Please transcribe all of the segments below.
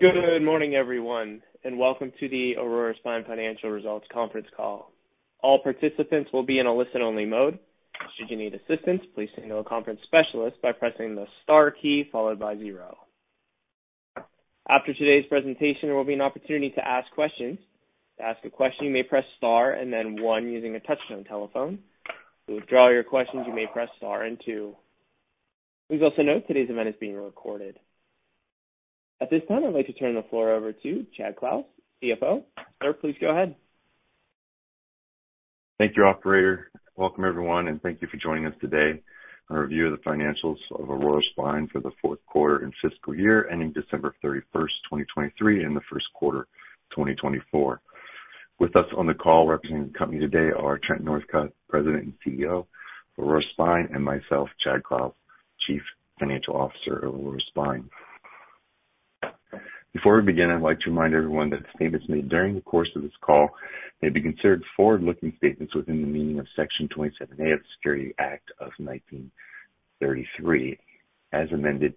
Good morning, everyone, and welcome to the Aurora Spine Financial Results conference call. All participants will be in a listen-only mode. Should you need assistance, please signal a conference specialist by pressing the star key followed by zero. After today's presentation, there will be an opportunity to ask questions. To ask a question, you may press Star and then one using a touchtone telephone. To withdraw your questions, you may press Star and two. Please also note today's event is being recorded. At this time, I'd like to turn the floor over to Chad Clouse, CFO. Sir, please go ahead. Thank you, operator. Welcome, everyone, and thank you for joining us today. A review of the financials of Aurora Spine for the fourth quarter and fiscal year, ending December 31, 2023, and the first quarter, 2024. With us on the call representing the company today are Trent Northcutt, President and CEO of Aurora Spine, and myself, Chad Clouse, Chief Financial Officer of Aurora Spine. Before we begin, I'd like to remind everyone that the statements made during the course of this call may be considered forward-looking statements within the meaning of Section 27A of the Securities Act of 1933, as amended,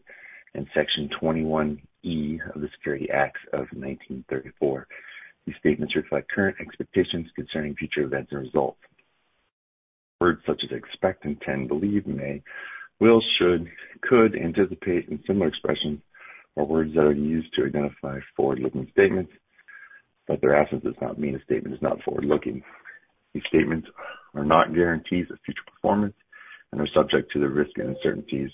and Section 21E of the Securities Acts of 1934. These statements reflect current expectations concerning future events and results. Words such as expect and tend, believe, may, will, should, could, anticipate and similar expressions are words that are used to identify forward-looking statements, but their absence does not mean a statement is not forward-looking. These statements are not guarantees of future performance and are subject to the risks and uncertainties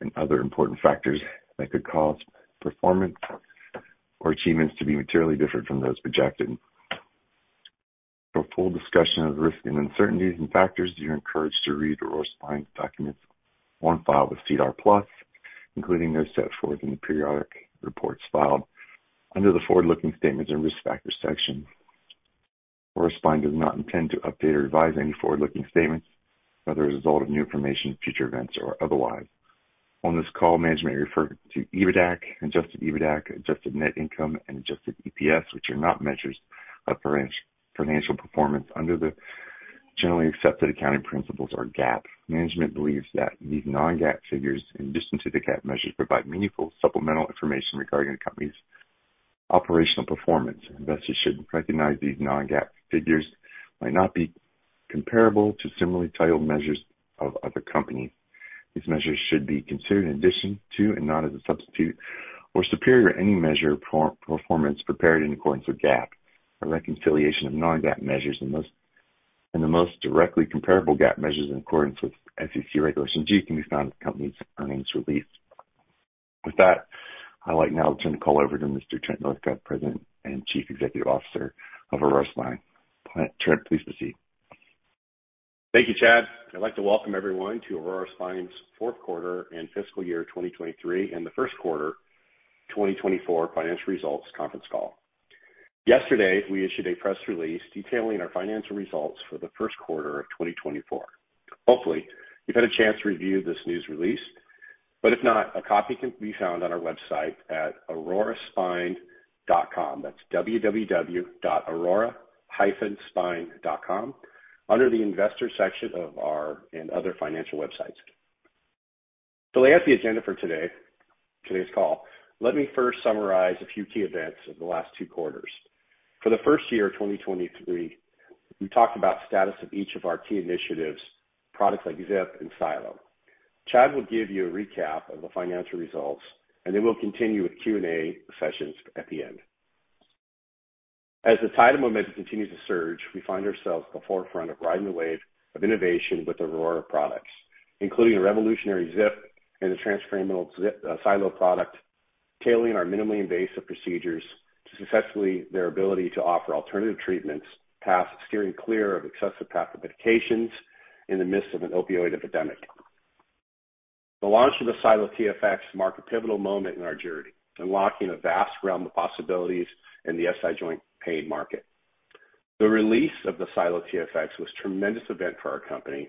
and other important factors that could cause performance or achievements to be materially different from those projected. For a full discussion of the risks and uncertainties and factors, you're encouraged to read Aurora Spine's documents on file with SEDAR+, including those set forth in the periodic reports filed under the Forward-Looking Statements and Risk Factors section. Aurora Spine does not intend to update or revise any forward-looking statements as a result of new information, future events, or otherwise. On this call, management may refer to EBITDAC, adjusted EBITDAC, adjusted net income, and adjusted EPS, which are not measures of financial performance under the generally accepted accounting principles or GAAP. Management believes that these non-GAAP figures, in addition to the GAAP measures, provide meaningful supplemental information regarding the company's operational performance. Investors should recognize these non-GAAP figures might not be comparable to similarly titled measures of other companies. These measures should be considered in addition to and not as a substitute or superior to any measure of performance prepared in accordance with GAAP. A reconciliation of non-GAAP measures and the most directly comparable GAAP measures in accordance with FCC Regulation G can be found in the company's earnings release. With that, I'd like now to turn the call over to Mr. Trent Northcutt, President and Chief Executive Officer of Aurora Spine. Trent, please proceed. Thank you, Chad. I'd like to welcome everyone to Aurora Spine's fourth quarter and fiscal year 2023 and the first quarter 2024 financial results conference call. Yesterday, we issued a press release detailing our financial results for the first quarter of 2024. Hopefully, you've had a chance to review this news release, but if not, a copy can be found on our website at aurora-spine.com. That's www.aurora-spine.com, under the investor section of our and other financial websites. To lay out the agenda for today, today's call, let me first summarize a few key events of the last two quarters. For the fiscal year 2023, we talked about status of each of our key initiatives, products like ZIP and SiLO. Chad will give you a recap of the financial results, and then we'll continue with Q&A sessions at the end. As the tide of momentum continues to surge, we find ourselves at the forefront of riding the wave of innovation with Aurora products, including a revolutionary ZIP and a transfemoral ZIP, SiLO product, tailoring our minimally invasive procedures to successfully their ability to offer alternative treatments, paths steering clear of excessive path of medications in the midst of an opioid epidemic. The launch of the SiLO TFX marked a pivotal moment in our journey, unlocking a vast realm of possibilities in the SI joint pain market. The release of the SiLO TFX was a tremendous event for our company,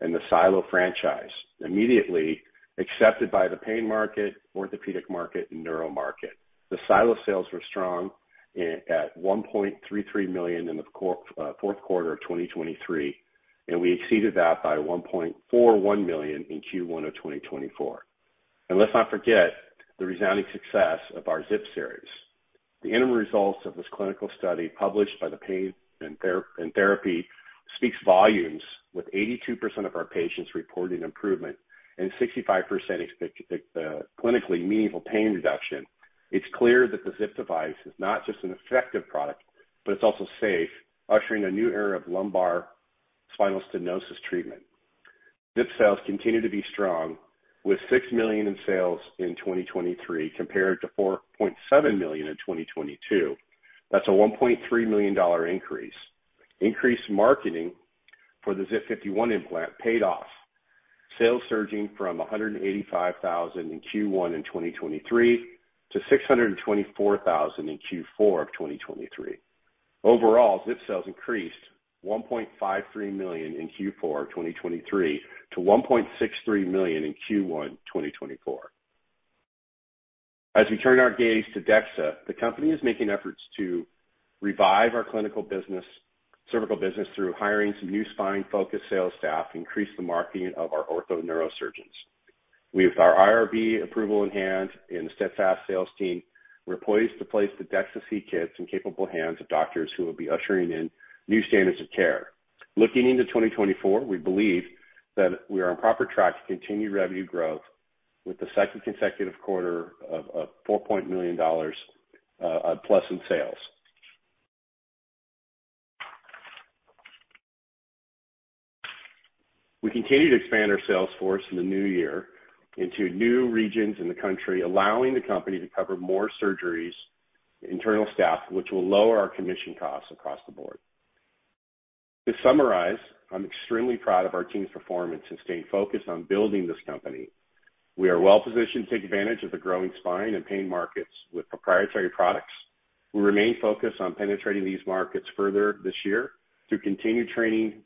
and the SiLO franchise immediately accepted by the pain market, orthopedic market, and neuro market. The SiLO sales were strong at $1.33 million in the fourth quarter of 2023, and we exceeded that by $1.41 million in Q1 of 2024. Let's not forget the resounding success of our ZIP series. The interim results of this clinical study, published by the Pain and Therapy, speaks volumes, with 82% of our patients reporting improvement and 65% clinically meaningful pain reduction. It's clear that the ZIP device is not just an effective product, but it's also safe, ushering a new era of lumbar spinal stenosis treatment. ZIP sales continue to be strong, with $6 million in sales in 2023 compared to $4.7 million in 2022. That's a $1.3 million increase. Increased marketing for the ZIP-51 implant paid off, sales surging from $185,000 in Q1 in 2023 to $624,000 in Q4 of 2023. Overall, ZIP sales increased $1.53 million in Q4 of 2023 to $1.63 million in Q1 2024. As we turn our gaze to DEXA, the company is making efforts to revive our clinical business, cervical business through hiring some new spine-focused sales staff to increase the marketing of our ortho neurosurgeons. With our IRB approval in hand and the steadfast sales team, we're poised to place the DEXA-C kits in capable hands of doctors who will be ushering in new standards of care. Looking into 2024, we believe that we are on proper track to continue revenue growth with the second consecutive quarter of $4 million plus in sales. We continue to expand our sales force in the new year into new regions in the country, allowing the company to cover more surgeries, internal staff, which will lower our commission costs across the board. To summarize, I'm extremely proud of our team's performance and staying focused on building this company. We are well positioned to take advantage of the growing spine and pain markets with proprietary products. We remain focused on penetrating these markets further this year through continued training,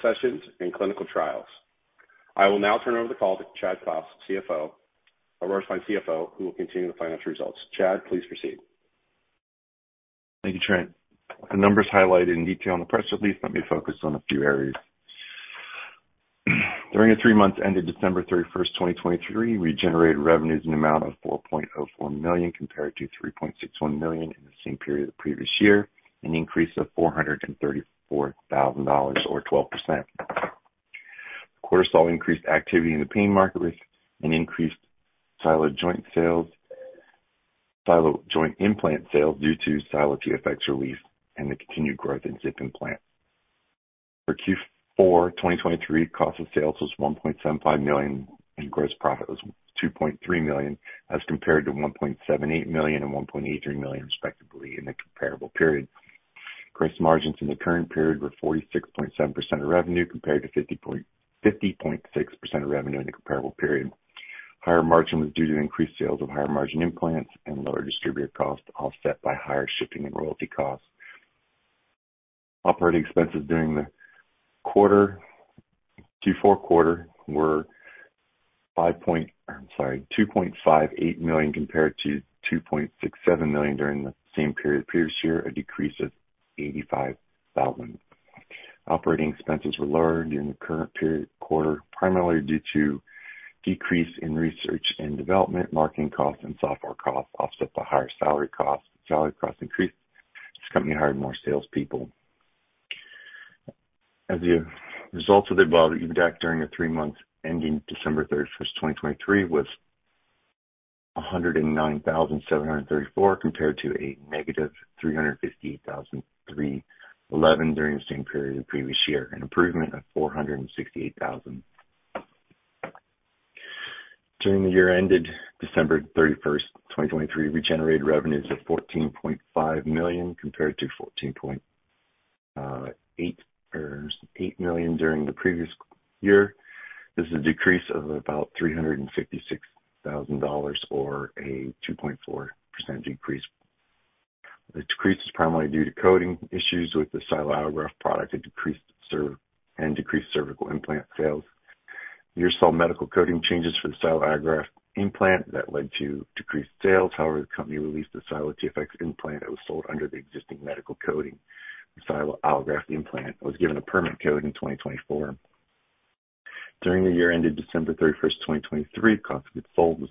sessions and clinical trials. I will now turn over the call to Chad Clouse, CFO, our Spine CFO, who will continue the financial results. Chad, please proceed. Thank you, Trent. The numbers highlighted in detail in the press release, let me focus on a few areas. During the three months ended December 31st, 2023, we generated revenues in the amount of $4.04 million, compared to $3.61 million in the same period the previous year, an increase of $434,000 or 12%. Quarter saw increased activity in the pain market with an increased SiLO joint sales- SiLO joint implant sales due to SiLO TFX release and the continued growth in ZIP implant. For Q4 2023, cost of sales was $1.75 million, and gross profit was $2.3 million, as compared to $1.78 million and $1.83 million, respectively, in the comparable period. Gross margins in the current period were 46.7% of revenue, compared to 50.6% of revenue in the comparable period. Higher margin was due to increased sales of higher margin implants and lower distributor costs, offset by higher shipping and royalty costs. Operating expenses during the quarter, Q4 quarter were $2.58 million compared to $2.67 million during the same period previous year, a decrease of $85,000. Operating expenses were lower during the current period quarter, primarily due to decrease in research and development, marketing costs and software costs, offset by higher salary costs. Salary costs increased as the company hired more salespeople. As a result of the above, EBITDA during the three months ending December 31, 2023, was $109,734, compared to a negative $358,311 during the same period the previous year, an improvement of $468,000. During the year ended December 31, 2023, we generated revenues of $14.5 million compared to $14.8 million during the previous year. This is a decrease of about $356,000, or a 2.4% decrease. The decrease is primarily due to coding issues with the SiLO Allograft product and decreased cervical implant sales. The year saw medical coding changes for the SiLO Allograft implant that led to decreased sales. However, the company released a SiLO TFX implant that was sold under the existing medical coding. The SiLO Allograft implant was given a permanent code in 2024. During the year ended December 31, 2023, cost of goods sold was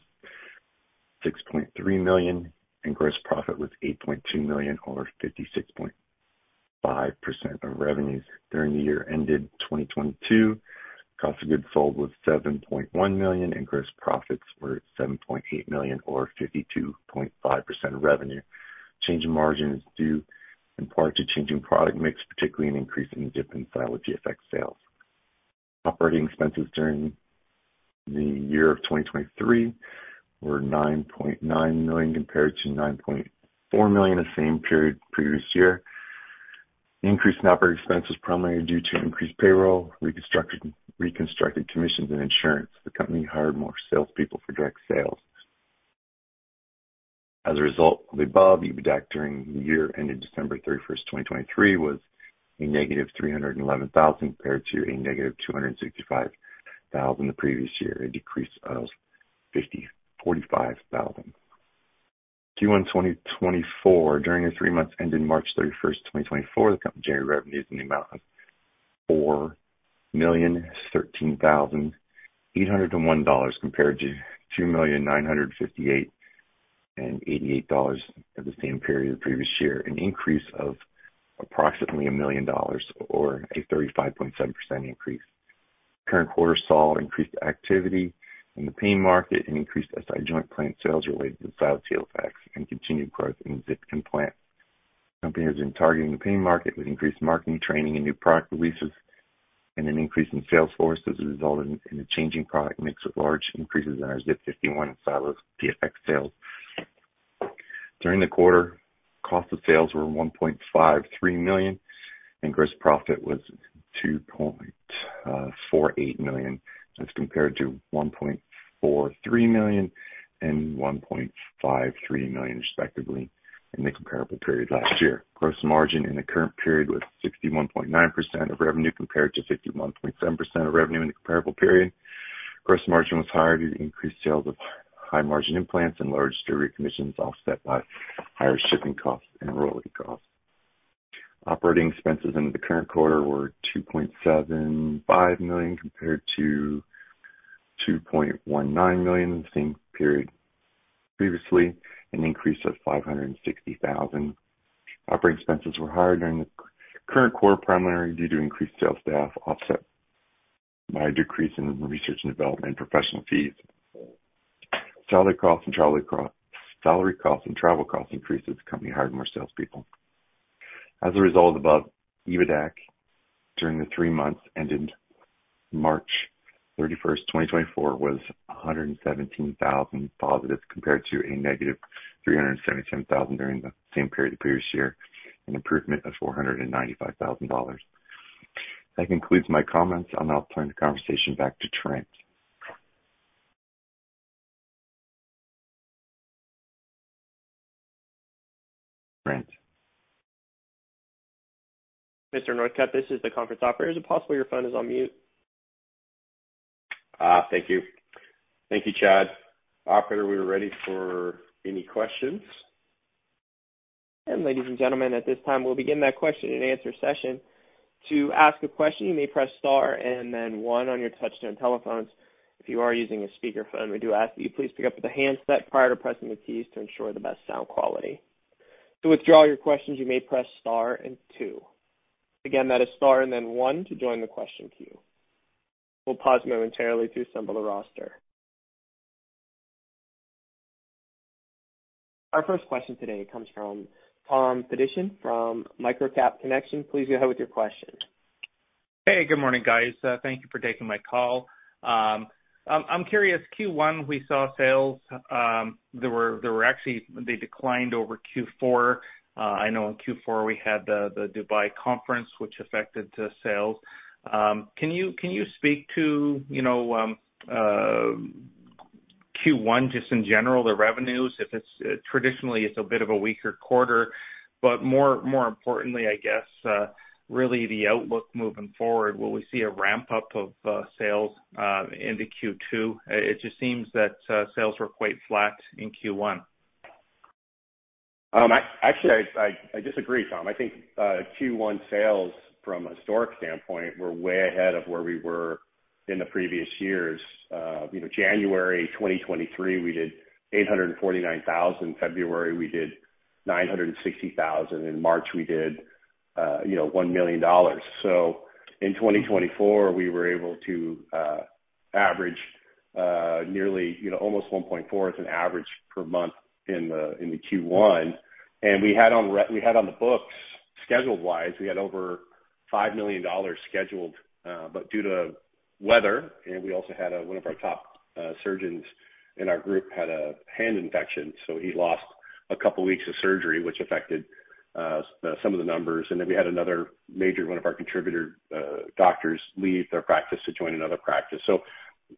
$6.3 million, and gross profit was $8.2 million, or 56.5% of revenues. During the year ended 2022, cost of goods sold was $7.1 million, and gross profits were $7.8 million, or 52.5% of revenue. Change in margin is due in part to changing product mix, particularly an increase in ZIP and SiLO TFX sales. Operating expenses during the year of 2023 were $9.9 million, compared to $9.4 million the same period the previous year. Increased operating expenses primarily due to increased payroll, restructured commissions and insurance. The company hired more salespeople for direct sales. As a result of the above, EBITDA during the year ended December 31, 2023, was -$311,000, compared to -$265,000 the previous year, a decrease of $46,000. Q1 2024, during the three months ended March 31, 2024, the company generated revenues in the amount of $4,013,801, compared to $2,958,088 for the same period the previous year, an increase of approximately $1 million or a 35.7% increase. Current quarter saw increased activity in the pain market and increased SI joint implant sales related to the SiLO TFX and continued growth in ZIP implant. Company has been targeting the pain market with increased marketing, training, and new product releases, and an increase in sales force has resulted in a changing product mix, with large increases in our ZIP 51 and SiLO TFX sales. During the quarter, cost of sales were $1.53 million, and gross profit was $2.48 million, as compared to $1.43 million and $1.53 million, respectively, in the comparable period last year. Gross margin in the current period was 61.9% of revenue, compared to 51.7% of revenue in the comparable period.... Gross margin was higher due to increased sales of high margin implants and large distributor commissions, offset by higher shipping costs and royalty costs. Operating expenses in the current quarter were $2.75 million, compared to $2.19 million in the same period previously, an increase of $560,000. Operating expenses were higher during the current quarter, primarily due to increased sales staff, offset by a decrease in research and development and professional fees. Salary costs and travel costs increased as the company hired more salespeople. As a result of the above, EBITDAC during the three months ended March 31, 2024, was +$117,000, compared to -$377,000 during the same period the previous year, an improvement of $495,000. That concludes my comments. I'll now turn the conversation back to Trent. Trent? Mr. Northcutt, this is the conference operator. Is it possible your phone is on mute? Ah, thank you. Thank you, Chad. Operator, we are ready for any questions. Ladies and gentlemen, at this time, we'll begin that question and answer session. To ask a question, you may press star and then one on your touchtone telephones. If you are using a speaker phone, we do ask that you please pick up the handset prior to pressing the keys to ensure the best sound quality. To withdraw your questions, you may press star and two. Again, that is star and then one to join the question queue. We'll pause momentarily to assemble a roster. Our first question today comes from Tom Faddishin from MicroCap Connection. Please go ahead with your question. Hey, good morning, guys. Thank you for taking my call. I'm curious, Q1, we saw sales, there were actually... They declined over Q4. I know in Q4 we had the Dubai conference, which affected the sales. Can you speak to, you know, Q1, just in general, the revenues? If it's traditionally it's a bit of a weaker quarter, but more importantly, I guess, really the outlook moving forward, will we see a ramp-up of sales into Q2? It just seems that sales were quite flat in Q1. Actually, I disagree, Tom. I think Q1 sales from a historic standpoint were way ahead of where we were in the previous years. You know, January 2023, we did $849,000. February, we did $960,000. In March, we did $1 million. So in 2024, we were able to average nearly almost 1.4 as an average per month in the Q1. And we had on the books, scheduled wise, we had over $5 million scheduled, but due to weather, and we also had one of our top surgeons in our group had a hand infection, so he lost a couple weeks of surgery, which affected some of the numbers. And then we had another major, one of our contributor doctors, leave their practice to join another practice. So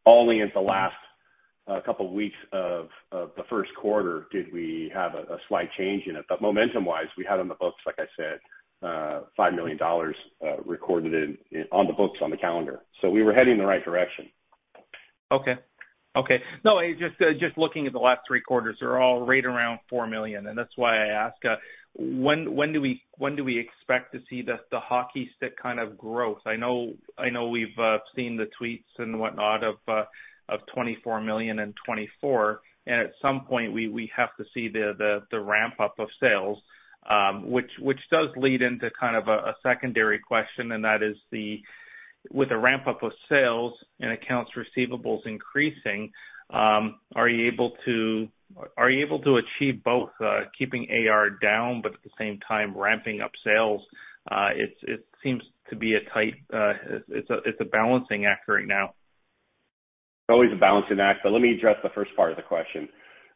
only in the last couple of weeks of the first quarter did we have a slight change in it. But momentum wise, we had on the books, like I said, $5 million recorded in on the books on the calendar. So we were heading in the right direction. Okay. Okay. No, just, just looking at the last three quarters, they're all right around $4 million, and that's why I ask. When, when do we, when do we expect to see the, the hockey stick kind of growth? I know, I know we've, seen the tweets and whatnot of, of $24 million in 2024, and at some point we, we have to see the, the, the ramp-up of sales. Which, which does lead into kind of a, a secondary question, and that is the, with the ramp-up of sales and accounts receivables increasing, are you able to- are you able to achieve both, keeping AR down, but at the same time ramping up sales? It's, it seems to be a tight, it's a, it's a balancing act right now. It's always a balancing act, but let me address the first part of the question.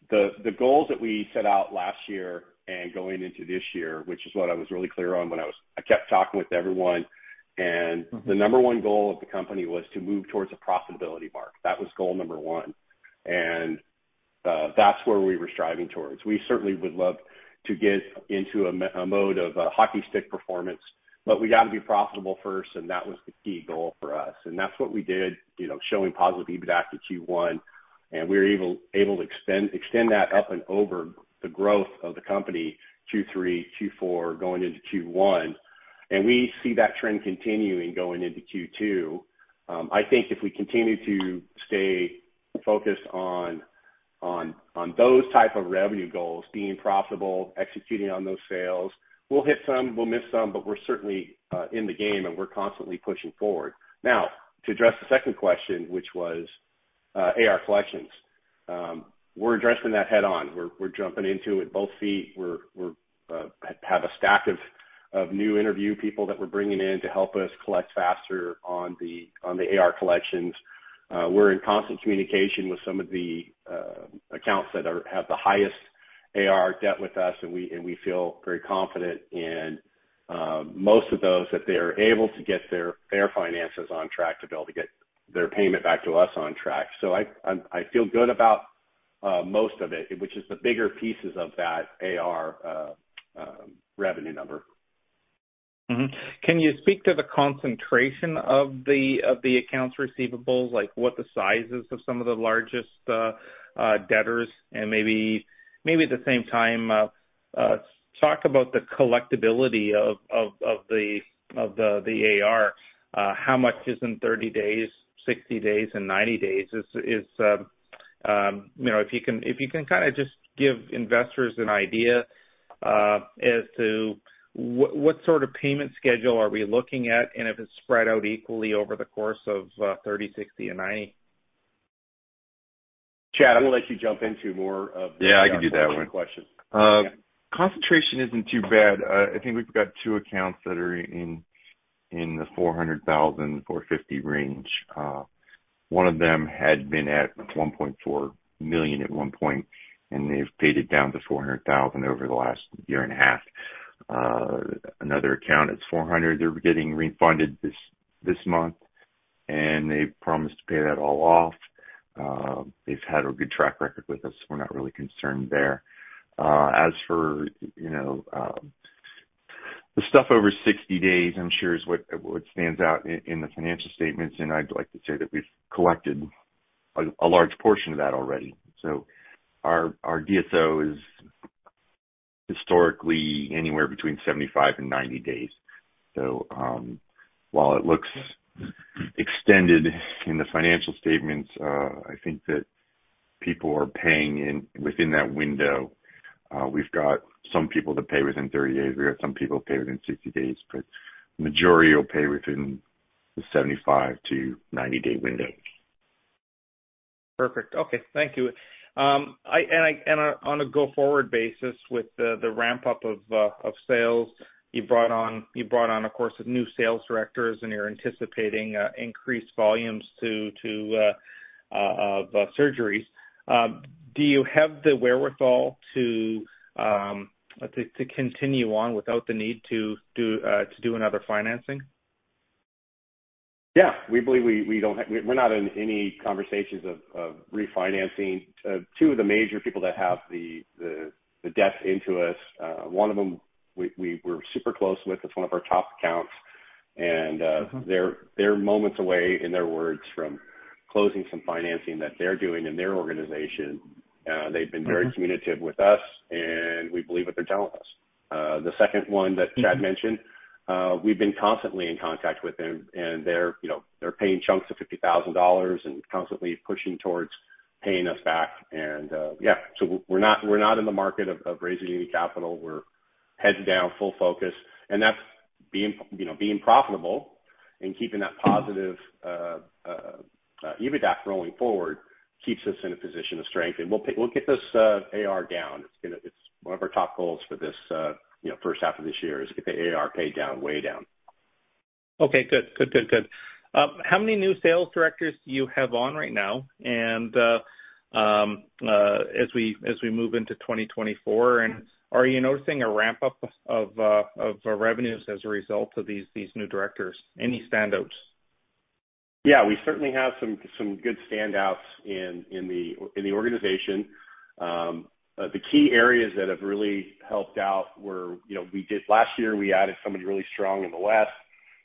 The goals that we set out last year and going into this year, which is what I was really clear on when I was... I kept talking with everyone, and- Mm-hmm. The number one goal of the company was to move towards a profitability mark. That was goal number one, and that's where we were striving towards. We certainly would love to get into a mode of hockey stick performance, but we got to be profitable first, and that was the key goal for us. And that's what we did, you know, showing positive EBITDAC in Q1, and we were able to extend that up and over the growth of the company, Q3, Q4, going into Q1, and we see that trend continuing going into Q2. I think if we continue to stay focused on those type of revenue goals, being profitable, executing on those sales, we'll hit some, we'll miss some, but we're certainly in the game, and we're constantly pushing forward. Now, to address the second question, which was, AR collections, we're addressing that head on. We're, we're, have a stack of, of new interview people that we're bringing in to help us collect faster on the, on the AR collections. We're in constant communication with some of the, accounts that have the highest AR debt with us, and we, and we feel very confident in, most of those, that they're able to get their, their finances on track, to be able to get their payment back to us on track. So I, I, I feel good about, most of it, which is the bigger pieces of that AR, revenue number.... Mm-hmm. Can you speak to the concentration of the accounts receivables? Like what the sizes of some of the largest debtors and maybe at the same time talk about the collectibility of the AR. How much is in 30 days, 60 days, and 90 days? Is, you know, if you can kind of just give investors an idea as to what sort of payment schedule are we looking at, and if it's spread out equally over the course of 30, 60, and 90. Chad, I'm gonna let you jump into more of the- Yeah, I can do that one. Questions. Concentration isn't too bad. I think we've got two accounts that are in the $400,000-$450,000 range. One of them had been at $1.4 million at one point, and they've paid it down to $400,000 over the last year and a half. Another account, it's $400,000. They're getting refunded this month, and they've promised to pay that all off. They've had a good track record with us, we're not really concerned there. As for, you know, the stuff over 60 days, I'm sure is what stands out in the financial statements, and I'd like to say that we've collected a large portion of that already. So our DSO is historically anywhere between 75 and 90 days. While it looks extended in the financial statements, I think that people are paying in within that window. We've got some people that pay within 30 days, we've got some people who pay within 60 days, but majority will pay within the 75-90-day window. Perfect. Okay, thank you. And on a go-forward basis with the ramp-up of sales, you brought on, of course, new sales directors, and you're anticipating increased volumes of surgeries. Do you have the wherewithal to continue on without the need to do another financing? Yeah. We believe we don't have... We're not in any conversations of refinancing. Two of the major people that have the debt into us, one of them we're super close with. It's one of our top accounts, and- Mm-hmm... they're, they're moments away, in their words, from closing some financing that they're doing in their organization. They've been- Mm-hmm... very communicative with us, and we believe what they're telling us. The second one that Chad mentioned, we've been constantly in contact with them, and they're, you know, they're paying chunks of $50,000 and constantly pushing towards paying us back. And yeah, so we're not, we're not in the market of, of raising any capital. We're heads down, full focus, and that's being, you know, being profitable and keeping that positive EBITDA going forward, keeps us in a position of strength. And we'll get this AR down. It's gonna, it's one of our top goals for this, you know, first half of this year, is get the AR paid down, way down. Okay, good. Good, good, good. How many new sales directors do you have on right now, and as we move into 2024, and are you noticing a ramp-up of revenues as a result of these new directors? Any standouts? Yeah, we certainly have some good standouts in the organization. The key areas that have really helped out were, you know, last year, we added somebody really strong in the west.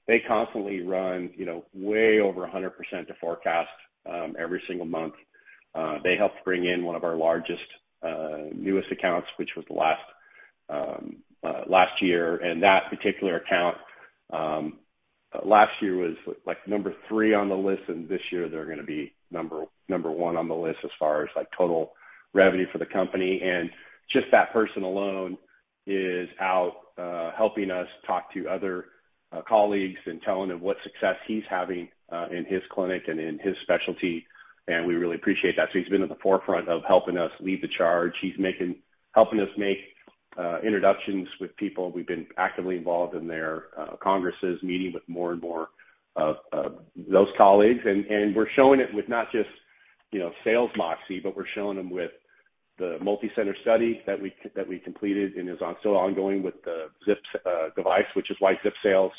They constantly run, you know, way over 100% to forecast every single month. They helped bring in one of our largest newest accounts, which was last year, and that particular account last year was, like, number three on the list, and this year they're gonna be number one on the list as far as, like, total revenue for the company. And just that person alone is out helping us talk to other colleagues and telling them what success he's having in his clinic and in his specialty, and we really appreciate that. So he's been at the forefront of helping us lead the charge. He's helping us make introductions with people. We've been actively involved in their congresses, meeting with more and more of those colleagues. And we're showing it with not just, you know, sales moxie, but we're showing them with the multicenter study that we completed and is still ongoing with the ZIP device, which is why ZIP sales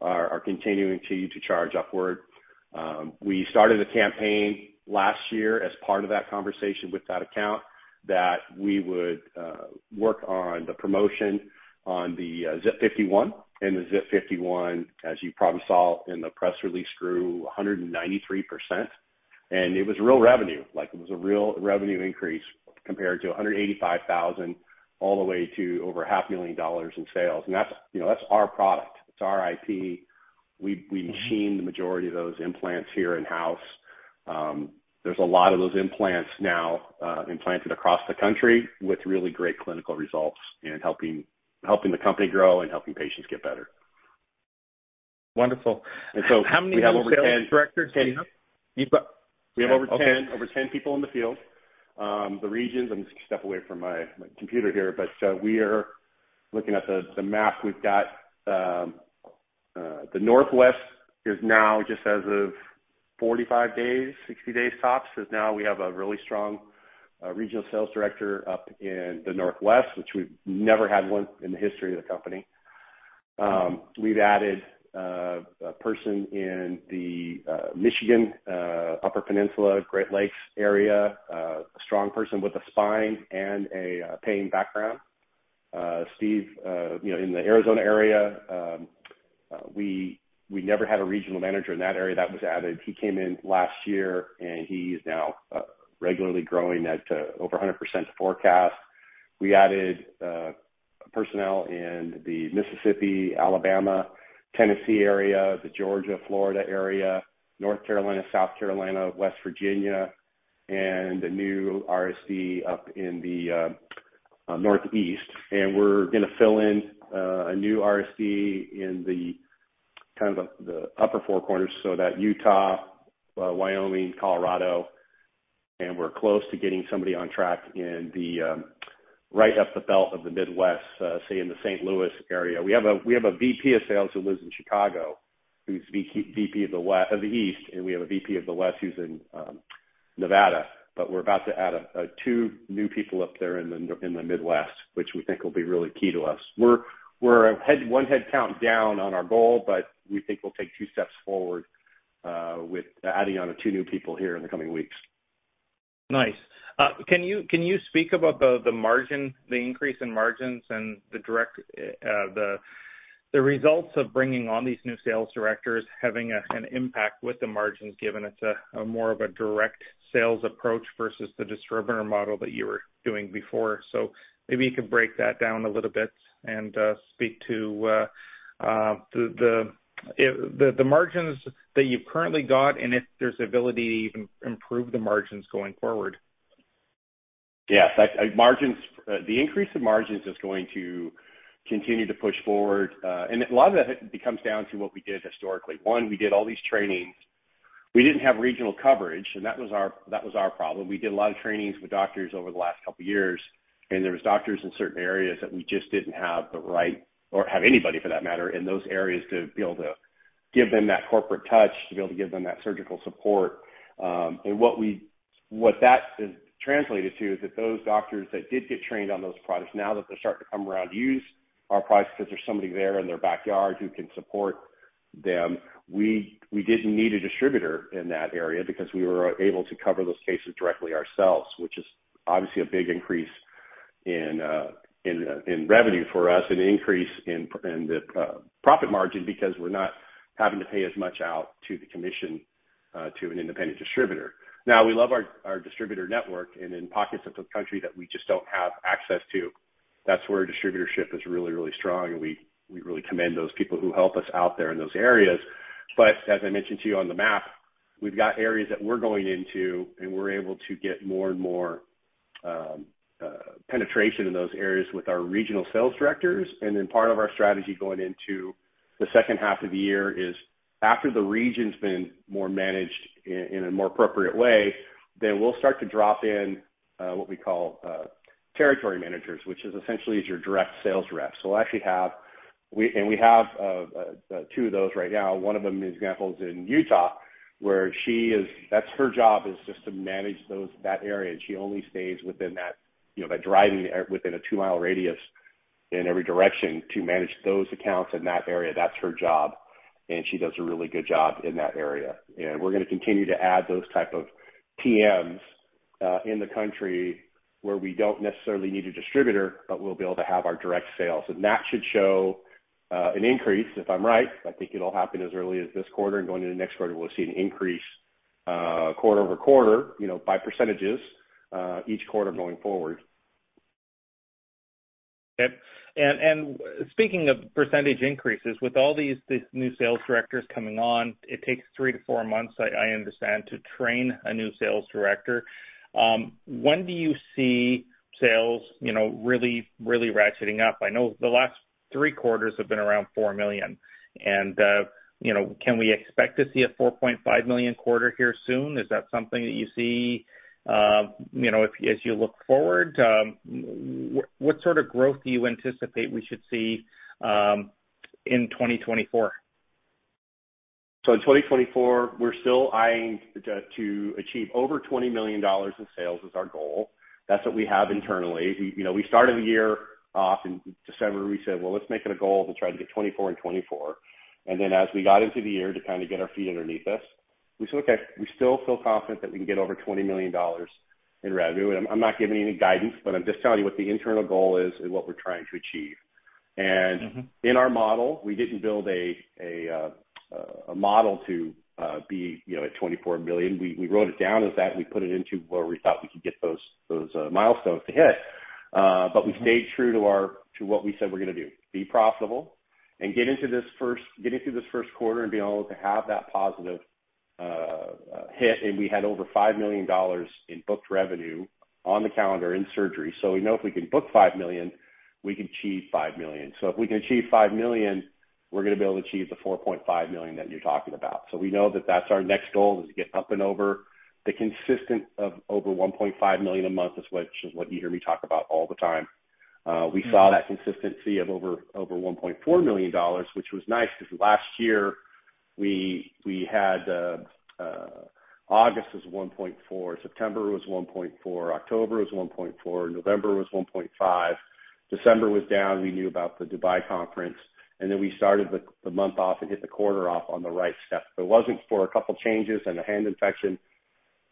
are continuing to charge upward. We started a campaign last year as part of that conversation with that account, that we would work on the promotion on the ZIP 51, and the ZIP 51, as you probably saw in the press release, grew 193%. It was real revenue, like it was a real revenue increase compared to $185,000, all the way to over $500,000 in sales. That's, you know, that's our product, it's our IP. We- Mm-hmm... we machine the majority of those implants here in-house. There's a lot of those implants now implanted across the country with really great clinical results, and helping the company grow and helping patients get better. Wonderful. And so we have over 10- How many new sales directors do you have? You've got- We have over 10- Okay... over 10 people in the field. The regions, let me just step away from my computer here, but we are looking at the map. We've got the Northwest is now, just as of 45 days, 60 days tops, is now we have a really strong regional sales director up in the Northwest, which we've never had one in the history of the company. We've added a person in the Michigan Upper Peninsula, Great Lakes area, a strong person with a spine and a pain background. Steve, you know, in the Arizona area, we never had a regional manager in that area. That was added. He came in last year, and he is now regularly growing that to over 100% forecast. We added personnel in the Mississippi, Alabama, Tennessee area, the Georgia, Florida area, North Carolina, South Carolina, West Virginia, and a new RSC up in the Northeast. We're gonna fill in a new RSC in kind of the upper four corners, so that Utah, Wyoming, Colorado, and we're close to getting somebody on track in right up the belt of the Midwest, say in the St. Louis area. We have a VP of Sales who lives in Chicago, who's VP of the East, and we have a VP of the West who's in Nevada. But we're about to add two new people up there in the Midwest, which we think will be really key to us. We're ahead one headcount down on our goal, but we think we'll take two steps forward with adding on the two new people here in the coming weeks. Nice. Can you speak about the margin, the increase in margins and the direct, the results of bringing on these new sales directors, having an impact with the margins, given it's a more of a direct sales approach versus the distributor model that you were doing before? So maybe you could break that down a little bit and speak to the margins that you've currently got and if there's ability to even improve the margins going forward. Yes, like, margins, the increase in margins is going to continue to push forward. And a lot of that becomes down to what we did historically. One, we did all these trainings. We didn't have regional coverage, and that was our, that was our problem. We did a lot of trainings with doctors over the last couple years, and there was doctors in certain areas that we just didn't have the right, or have anybody for that matter, in those areas to be able to give them that corporate touch, to be able to give them that surgical support. And what we... What that has translated to is that those doctors that did get trained on those products, now that they're starting to come around to use our products because there's somebody there in their backyard who can support them, we didn't need a distributor in that area because we were able to cover those cases directly ourselves, which is obviously a big increase in revenue for us and an increase in profit margin because we're not having to pay as much out to the commission to an independent distributor. Now, we love our distributor network, and in pockets of the country that we just don't have access to, that's where distributorship is really, really strong, and we really commend those people who help us out there in those areas. But as I mentioned to you on the map, we've got areas that we're going into, and we're able to get more and more penetration in those areas with our regional sales directors. And then part of our strategy going into the second half of the year is, after the region's been more managed in a more appropriate way, then we'll start to drop in what we call territory managers, which is essentially your direct sales reps. So we'll actually have. We... And we have two of those right now. One of them, as example, is in Utah, where she is. That's her job, is just to manage those, that area, and she only stays within that, you know, by driving within a two-mile radius in every direction to manage those accounts in that area. That's her job, and she does a really good job in that area. And we're gonna continue to add those type of TMs in the country where we don't necessarily need a distributor, but we'll be able to have our direct sales. And that should show an increase, if I'm right. I think it'll happen as early as this quarter and going into next quarter, we'll see an increase quarter-over-quarter, you know, by percentages each quarter going forward. Yep. And speaking of percentage increases, with all these new sales directors coming on, it takes three-four months, I understand, to train a new sales director. When do you see sales, you know, really, really ratcheting up? I know the last three quarters have been around $4 million, and, you know, can we expect to see a $4.5 million quarter here soon? Is that something that you see, you know, if, as you look forward, what sort of growth do you anticipate we should see, in 2024? So in 2024, we're still eyeing to, to achieve over $20 million in sales is our goal. That's what we have internally. We, you know, we started the year off in December, we said: Well, let's make it a goal to try to get 24 in 2024. And then as we got into the year to kind of get our feet underneath us, we said, "Okay, we still feel confident that we can get over $20 million in revenue." And I'm, I'm not giving any guidance, but I'm just telling you what the internal goal is and what we're trying to achieve. Mm-hmm. In our model, we didn't build a model to be, you know, at $24 million. We wrote it down as that, and we put it into where we thought we could get those milestones to hit. Mm-hmm. But we stayed true to our, to what we said we're gonna do: Be profitable and get into this first-- get into this first quarter and be able to have that positive hit. And we had over $5 million in booked revenue on the calendar in surgery. So we know if we can book $5 million, we can achieve $5 million. So if we can achieve $5 million, we're gonna be able to achieve the $4.5 million that you're talking about. So we know that that's our next goal, is to get up and over the consistent of over $1.5 million a month, is what, which is what you hear me talk about all the time. Mm-hmm. We saw that consistency of over $1.4 million, which was nice, because last year, we had August was $1.4 million, September was $1.4 million, October was $1.4 million, November was $1.5 million. December was down. We knew about the Dubai conference, and then we started the month off and hit the quarter off on the right step. If it wasn't for a couple changes and a hand infection,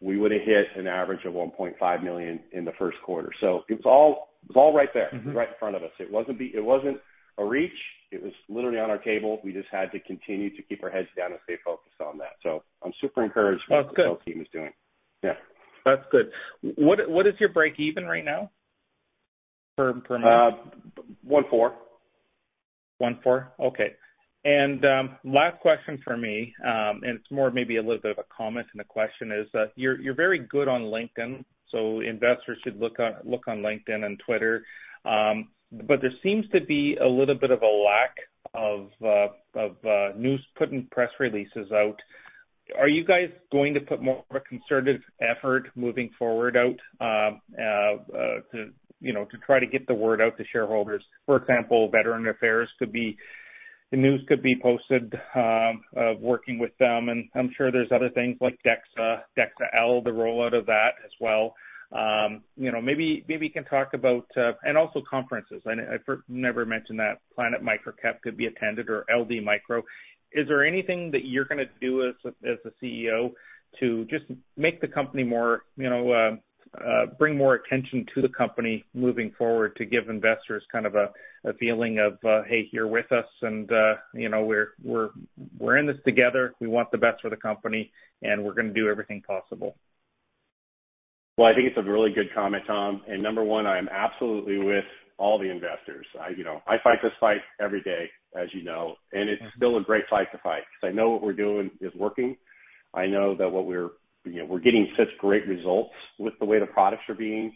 we would have hit an average of $1.5 million in the first quarter. So it was all right there, right in front of us. It wasn't a reach. It was literally on our table. We just had to continue to keep our heads down and stay focused on that. So I'm super encouraged with what the sales team is doing. Yeah. That's good. What is your break even right now per month? 14. 14? Okay. And, last question for me, and it's more maybe a little bit of a comment than a question, is that you're, you're very good on LinkedIn, so investors should look on, look on LinkedIn and Twitter. But there seems to be a little bit of a lack of news, putting press releases out. Are you guys going to put more of a concerted effort moving forward out, to, you know, to try to get the word out to shareholders? For example, Veterans Affairs could be... the news could be posted, of working with them, and I'm sure there's other things like DEXA, DEXA-L, the rollout of that as well. You know, maybe, maybe you can talk about, and also conferences. I, for one, never mentioned that Planet Microcap could be attended or LD Micro. Is there anything that you're gonna do as the CEO to just make the company more, you know, bring more attention to the company moving forward to give investors kind of a feeling of, "Hey, you're with us, and you know, we're in this together. We want the best for the company, and we're gonna do everything possible? Well, I think it's a really good comment, Tom, and number one, I am absolutely with all the investors. I, you know, I fight this fight every day, as you know, and it's still a great fight to fight because I know what we're doing is working. I know that what we're, you know, we're getting such great results with the way the products are being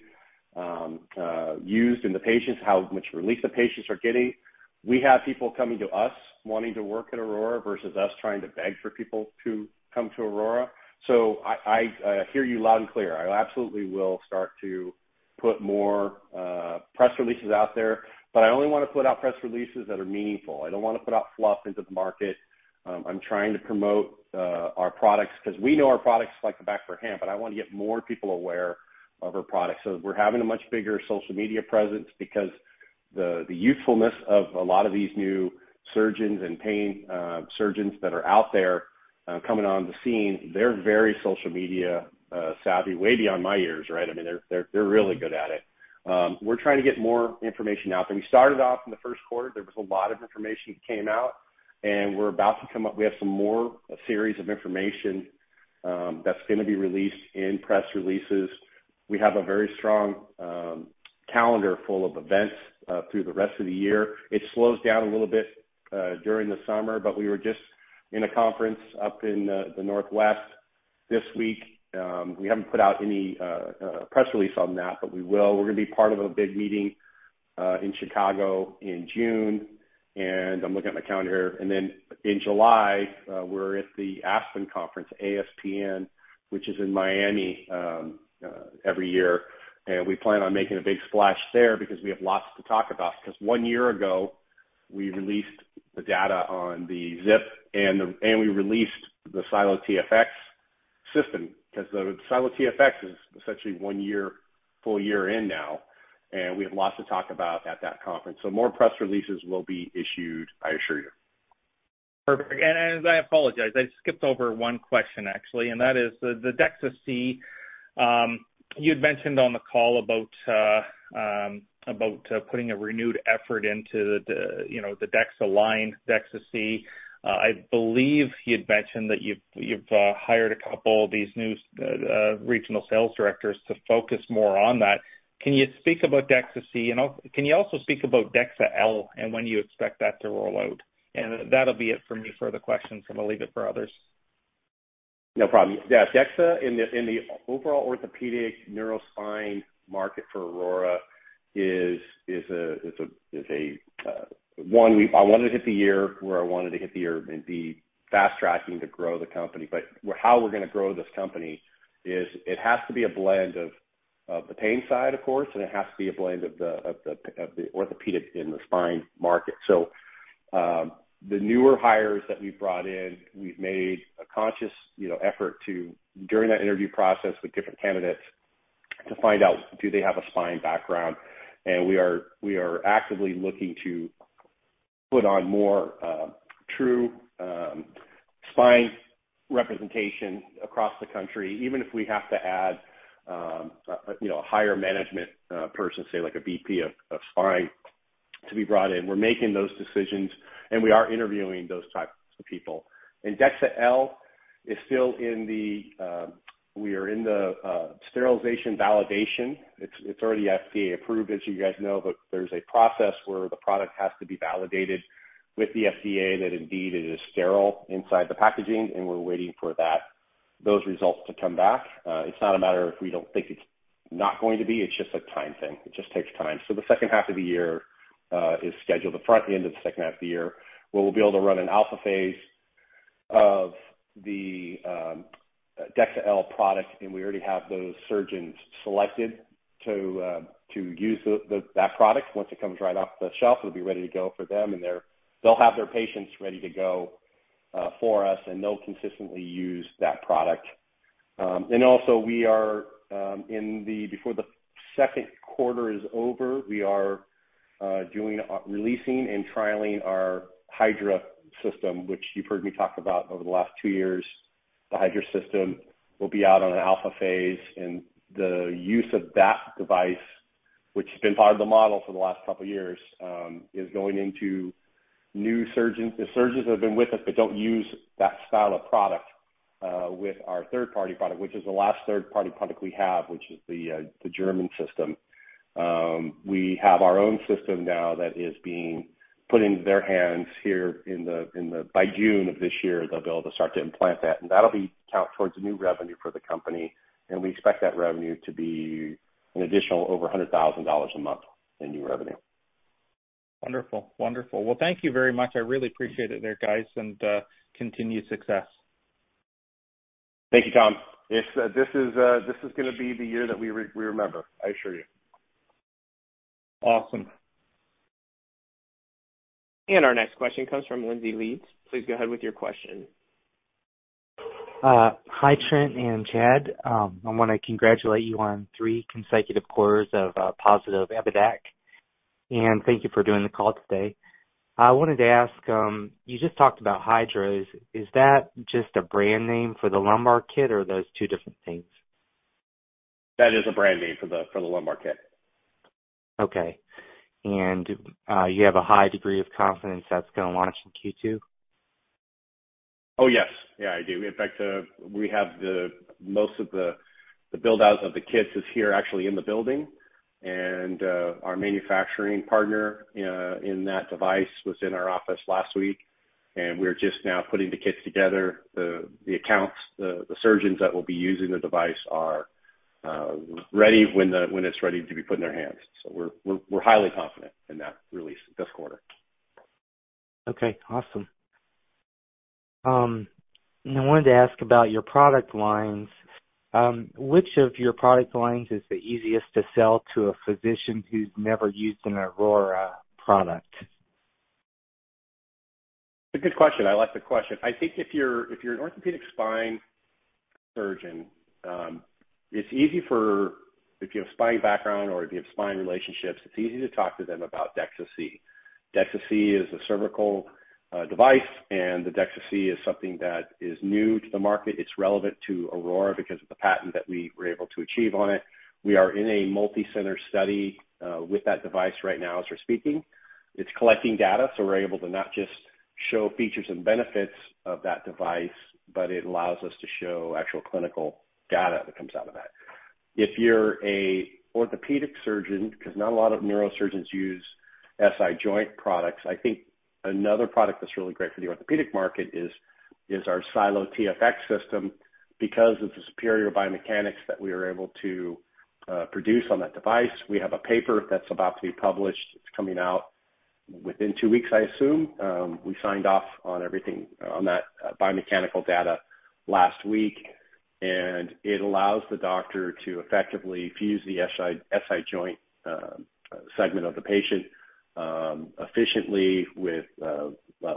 used in the patients, how much relief the patients are getting. We have people coming to us wanting to work at Aurora versus us trying to beg for people to come to Aurora. So I hear you loud and clear. I absolutely will start to put more press releases out there, but I only want to put out press releases that are meaningful. I don't want to put out fluff into the market. I'm trying to promote our products because we know our products like the back of our hand, but I want to get more people aware of our products. So we're having a much bigger social media presence because the youthfulness of a lot of these new surgeons and pain surgeons that are out there coming on the scene, they're very social media savvy, way beyond my years, right? I mean, they're really good at it. We're trying to get more information out there. We started off in the first quarter. There was a lot of information that came out, and we're about to come up. We have some more, a series of information that's gonna be released in press releases. We have a very strong calendar full of events through the rest of the year. It slows down a little bit during the summer, but we were just in a conference up in the northwest this week. We haven't put out any press release on that, but we will. We're gonna be part of a big meeting in Chicago in June, and I'm looking at my calendar here. And then in July, we're at the ASPN conference, A-S-P-N, which is in Miami every year. And we plan on making a big splash there because we have lots to talk about. Because one year ago, we released the data on the ZIP and we released the SiLO TFX system, because the SiLO TFX is essentially one year, full year in now, and we have lots to talk about at that conference. So more press releases will be issued, I assure you. Perfect. And as I apologize, I skipped over one question actually, and that is the DEXA-C. You had mentioned on the call about putting a renewed effort into the, you know, the DEXA line, DEXA-C. I believe you had mentioned that you've hired a couple of these new regional sales directors to focus more on that. Can you speak about DEXA-C? And can you also speak about DEXA-L and when you expect that to roll out? And that'll be it for me for the questions, and I'll leave it for others. No problem. Yeah, DEXA in the, in the overall orthopedic neurospine market for Aurora is a one. I wanted to hit the year where I wanted to hit the year and be fast tracking to grow the company. But how we're gonna grow this company is it has to be a blend of the pain side, of course, and it has to be a blend of the orthopedic and the spine market. So, the newer hires that we've brought in, we've made a conscious, you know, effort to, during that interview process with different candidates, to find out do they have a spine background? We are actively looking to put on more true spine representation across the country, even if we have to add you know a higher management person, say, like a VP of spine, to be brought in. We're making those decisions, and we are interviewing those types of people. DEXA-L is still in the sterilization validation. We are in the sterilization validation. It's already FDA approved, as you guys know, but there's a process where the product has to be validated with the FDA that indeed it is sterile inside the packaging, and we're waiting for those results to come back. It's not a matter of we don't think it's not going to be. It's just a time thing. It just takes time. So the second half of the year is scheduled, the front end of the second half of the year, where we'll be able to run an alpha phase of the DEXA-L product, and we already have those surgeons selected to use the, that product. Once it comes right off the shelf, it'll be ready to go for them, and they're- they'll have their patients ready to go for us, and they'll consistently use that product. And also we are, before the second quarter is over, we are doing, releasing and trialing our HYDRA system, which you've heard me talk about over the last two years. The HYDRA system will be out on an alpha phase, and the use of that device, which has been part of the model for the last couple of years, is going into new surgeons. The surgeons have been with us, but don't use that style of product, with our third-party product, which is the last third-party product we have, which is the German system. We have our own system now that is being put into their hands here by June of this year, they'll be able to start to implant that, and that'll be count towards the new revenue for the company, and we expect that revenue to be an additional over $100,000 a month in new revenue. Wonderful. Wonderful. Well, thank you very much. I really appreciate it there, guys, and continued success. Thank you, Tom. This is gonna be the year that we remember. I assure you. Awesome. Our next question comes from Lindsay Leeds. Please go ahead with your question. Hi, Trent and Chad. I wanna congratulate you on three consecutive quarters of positive EBITDA, and thank you for doing the call today. I wanted to ask, you just talked about HYDRAs. Is that just a brand name for the lumbar kit, or are those two different things? That is a brand name for the lumbar kit. Okay. You have a high degree of confidence that's gonna launch in Q2? Oh, yes. Yeah, I do. In fact, we have the most of the buildouts of the kits is here, actually in the building, and our manufacturing partner in that device was in our office last week, and we're just now putting the kits together. The accounts, the surgeons that will be using the device are ready when it's ready to be put in their hands. So we're highly confident in that release this quarter. Okay, awesome. I wanted to ask about your product lines. Which of your product lines is the easiest to sell to a physician who's never used an Aurora product? A good question. I like the question. I think if you're, if you're an orthopedic spine surgeon, it's easy for... If you have spine background or if you have spine relationships, it's easy to talk to them about DEXA-C. DEXA-C is a cervical device, and the DEXA-C is something that is new to the market. It's relevant to Aurora because of the patent that we were able to achieve on it. We are in a multicenter study with that device right now as we're speaking. It's collecting data, so we're able to not just show features and benefits of that device, but it allows us to show actual clinical data that comes out of that. If you're an orthopedic surgeon, because not a lot of neurosurgeons use SI joint products, I think another product that's really great for the orthopedic market is our SiLO TFX system, because of the superior biomechanics that we were able to produce on that device. We have a paper that's about to be published. It's coming out within two weeks, I assume. We signed off on everything on that biomechanical data last week, and it allows the doctor to effectively fuse the SI joint segment of the patient efficiently with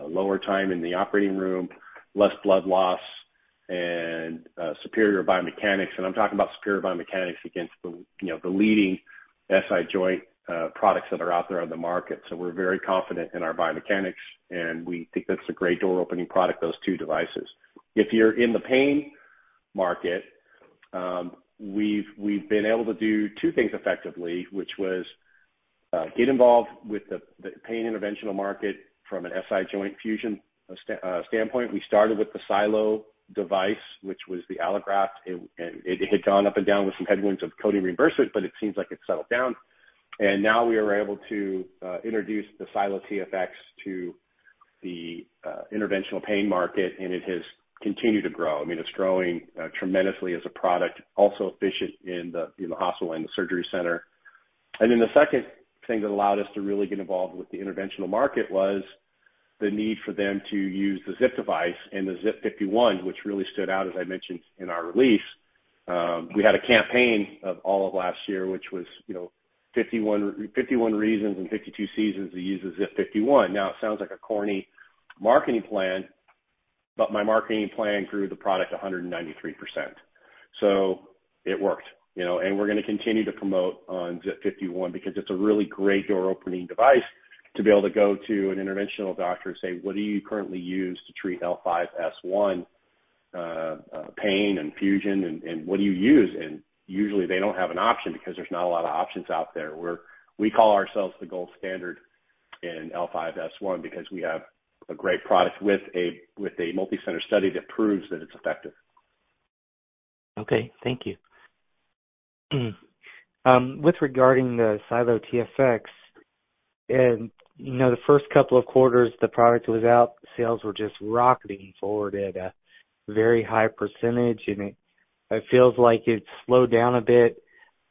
lower time in the operating room, less blood loss, and superior biomechanics. And I'm talking about superior biomechanics against the, you know, the leading SI joint products that are out there on the market. So we're very confident in our biomechanics, and we think that's a great door-opening product, those two devices. If you're in the pain market, we've been able to do two things effectively, which was get involved with the pain interventional market from an SI joint fusion standpoint. We started with the SiLO device, which was the allograft, and it had gone up and down with some headwinds of coding reimbursement, but it seems like it's settled down. And now we are able to introduce the SiLO TFX to the interventional pain market, and it has continued to grow. I mean, it's growing tremendously as a product, also efficient in the hospital and the surgery center. And then the second thing that allowed us to really get involved with the interventional market was the need for them to use the ZIP device and the ZIP 51, which really stood out, as I mentioned in our release. We had a campaign of all of last year, which was, you know, 51, 51 reasons in 52 seasons to use the ZIP 51. Now, it sounds like a corny marketing plan, but my marketing plan grew the product 193%. So it worked, you know, and we're gonna continue to promote on ZIP 51 because it's a really great door-opening device to be able to go to an interventional doctor and say: "What do you currently use to treat L5-S1 pain and fusion, and what do you use?" And usually they don't have an option because there's not a lot of options out there. We call ourselves the gold standard in L5-S1 because we have a great product with a multicenter study that proves that it's effective. Okay. Thank you. With regarding the SiLO TFX, and, you know, the first couple of quarters, the product was out, sales were just rocketing forward at a very high percentage, and it, it feels like it's slowed down a bit.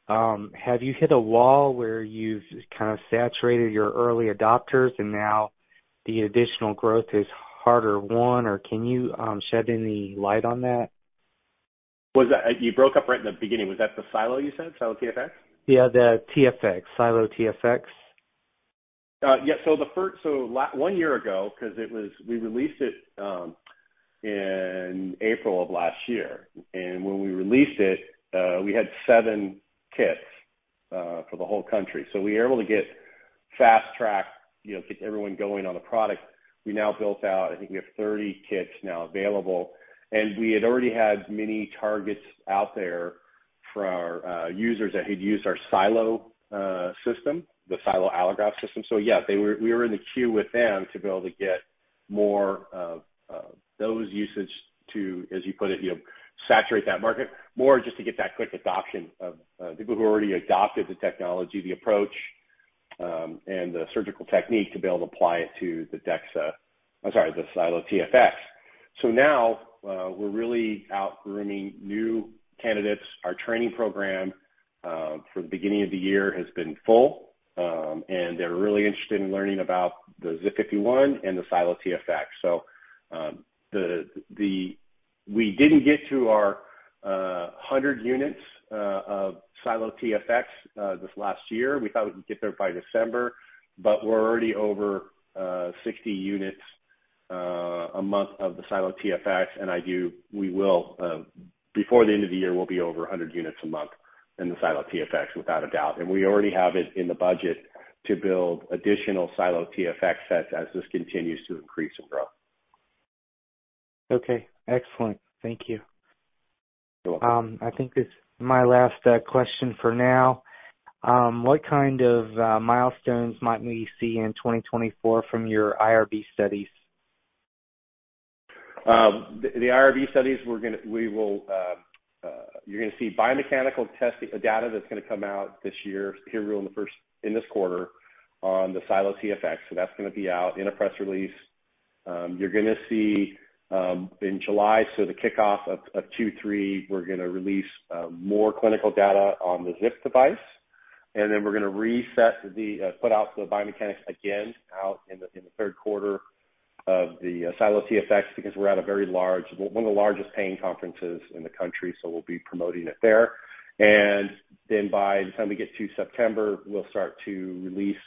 Have you hit a wall where you've kind of saturated your early adopters and now the additional growth is harder won, or can you shed any light on that? Was that... You broke up right in the beginning. Was that the SiLO, you said, SiLO TFX? Yeah, the TFX, SiLO TFX. Yeah. So one year ago, 'cause it was, we released it in April of last year, and when we released it, we had seven kits for the whole country. So we were able to get fast-tracked, you know, get everyone going on the product. We now built out, I think we have 30 kits now available, and we had already had many targets out there for our users that had used our SiLO system, the SiLO Allograft system. So yeah, we were in the queue with them to be able to get more of those usage to, as you put it, you know, saturate that market. More just to get that quick adoption of people who already adopted the technology, the approach, and the surgical technique to be able to apply it to the DEXA -- I'm sorry, the SiLO TFX. So now, we're really out grooming new candidates. Our training program from the beginning of the year has been full, and they're really interested in learning about the ZIP-51 and the SiLO TFX. So, we didn't get to our 100 units of SiLO TFX this last year. We thought we'd get there by December, but we're already over 60 units a month of the SiLO TFX, and we will, before the end of the year, we'll be over 100 units a month in the SiLO TFX, without a doubt. We already have it in the budget to build additional SiLO TFX sets as this continues to increase and grow. Okay, excellent. Thank you. You're welcome. I think this is my last question for now. What kind of milestones might we see in 2024 from your IRB studies? The IRB studies, we will—you're gonna see biomechanical testing data that's gonna come out this year, here in the first quarter on the SiLO TFX. So that's gonna be out in a press release. You're gonna see, in July, so the kickoff of 2023, we're gonna release more clinical data on the ZIP device, and then we're gonna release the biomechanics again out in the third quarter of the SiLO TFX because we're at one of the largest pain conferences in the country, so we'll be promoting it there. And then by the time we get to September, we'll start to release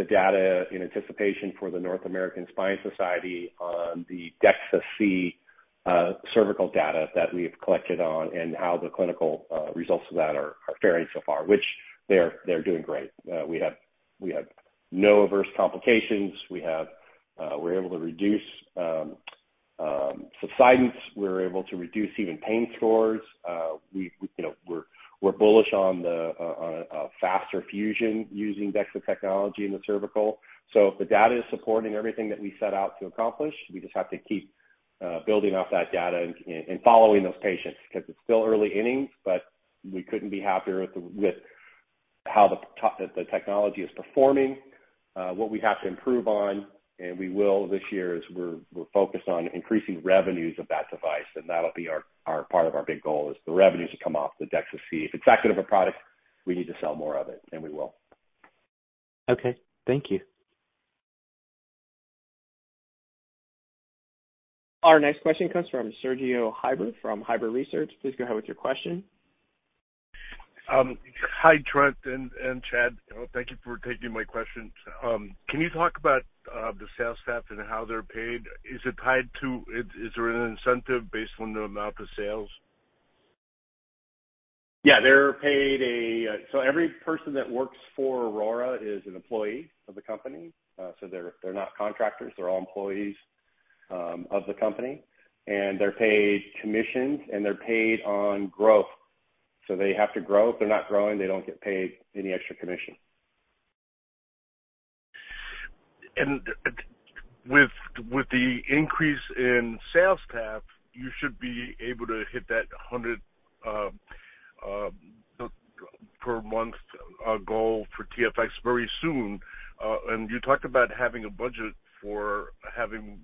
the data in anticipation for the North American Spine Society on the DEXA-C cervical data that we have collected on, and how the clinical results of that are faring so far, which they're doing great. We have no adverse complications. We're able to reduce subsidence, we're able to reduce even pain scores. You know, we're bullish on a faster fusion using DEXA technology in the cervical. So the data is supporting everything that we set out to accomplish. We just have to keep building off that data and following those patients, because it's still early innings, but we couldn't be happier with how the technology is performing. What we have to improve on, and we will this year, is we're focused on increasing revenues of that device, and that'll be our part of our big goal is the revenues that come off the DEXA-C. If it's that good of a product, we need to sell more of it, and we will. Okay, thank you. Our next question comes from Sergio Heiber, from Heiber Research. Please go ahead with your question. Hi, Trent and Chad. Thank you for taking my questions. Can you talk about the sales staff and how they're paid? Is it tied to? Is there an incentive based on the amount of sales? Yeah, they're paid a... So every person that works for Aurora is an employee of the company. So they're, they're not contractors, they're all employees of the company, and they're paid commissions and they're paid on growth. So they have to grow. If they're not growing, they don't get paid any extra commission. And with the increase in sales staff, you should be able to hit that 100 per month goal for TFX very soon. And you talked about having a budget for having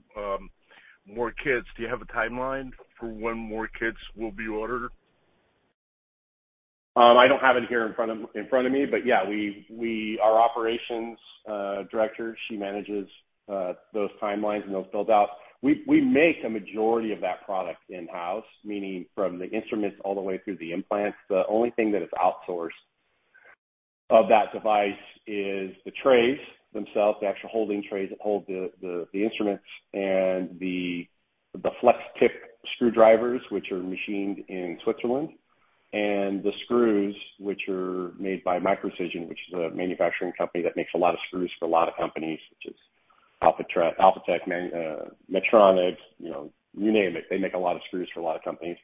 more kits. Do you have a timeline for when more kits will be ordered? I don't have it here in front of me, but yeah, we - our operations director, she manages those timelines and those buildouts. We make a majority of that product in-house, meaning from the instruments all the way through the implants. The only thing that is outsourced of that device is the trays themselves, the actual holding trays that hold the instruments and the flex tip screwdrivers, which are machined in Switzerland, and the screws, which are made by Microcision, which is a manufacturing company that makes a lot of screws for a lot of companies, such as Alphatec, Medtronic, you know, you name it. They make a lot of screws for a lot of companies.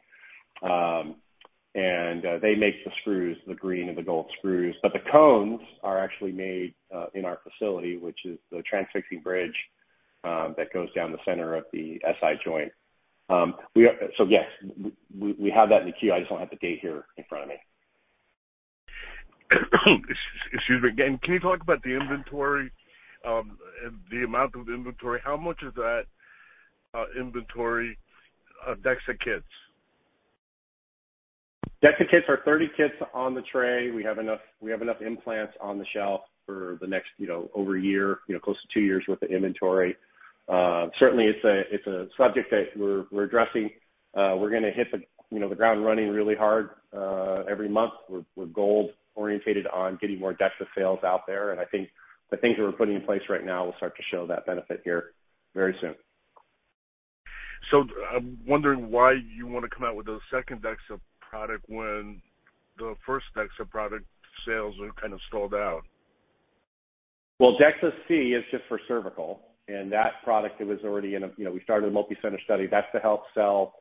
And they make the screws, the green and the gold screws. But the cones are actually made in our facility, which is the transfixing bridge that goes down the center of the SI joint. So yes, we have that in the queue. I just don't have the date here in front of me. Excuse me. And can you talk about the inventory, the amount of inventory? How much is that, inventory of DEXA kits? DEXA kits are 30 kits on the tray. We have enough, we have enough implants on the shelf for the next, you know, over a year, you know, close to two years worth of inventory. Certainly, it's a, it's a subject that we're, we're addressing. We're gonna hit the, you know, the ground running really hard, every month. We're, we're goal oriented on getting more DEXA sales out there, and I think the things that we're putting in place right now will start to show that benefit here very soon. So I'm wondering why you want to come out with a second DEXA product when the first DEXA product sales are kind of stalled out? Well, DEXA-C is just for cervical, and that product it was already in a, you know, we started a multicenter study. That's to help sell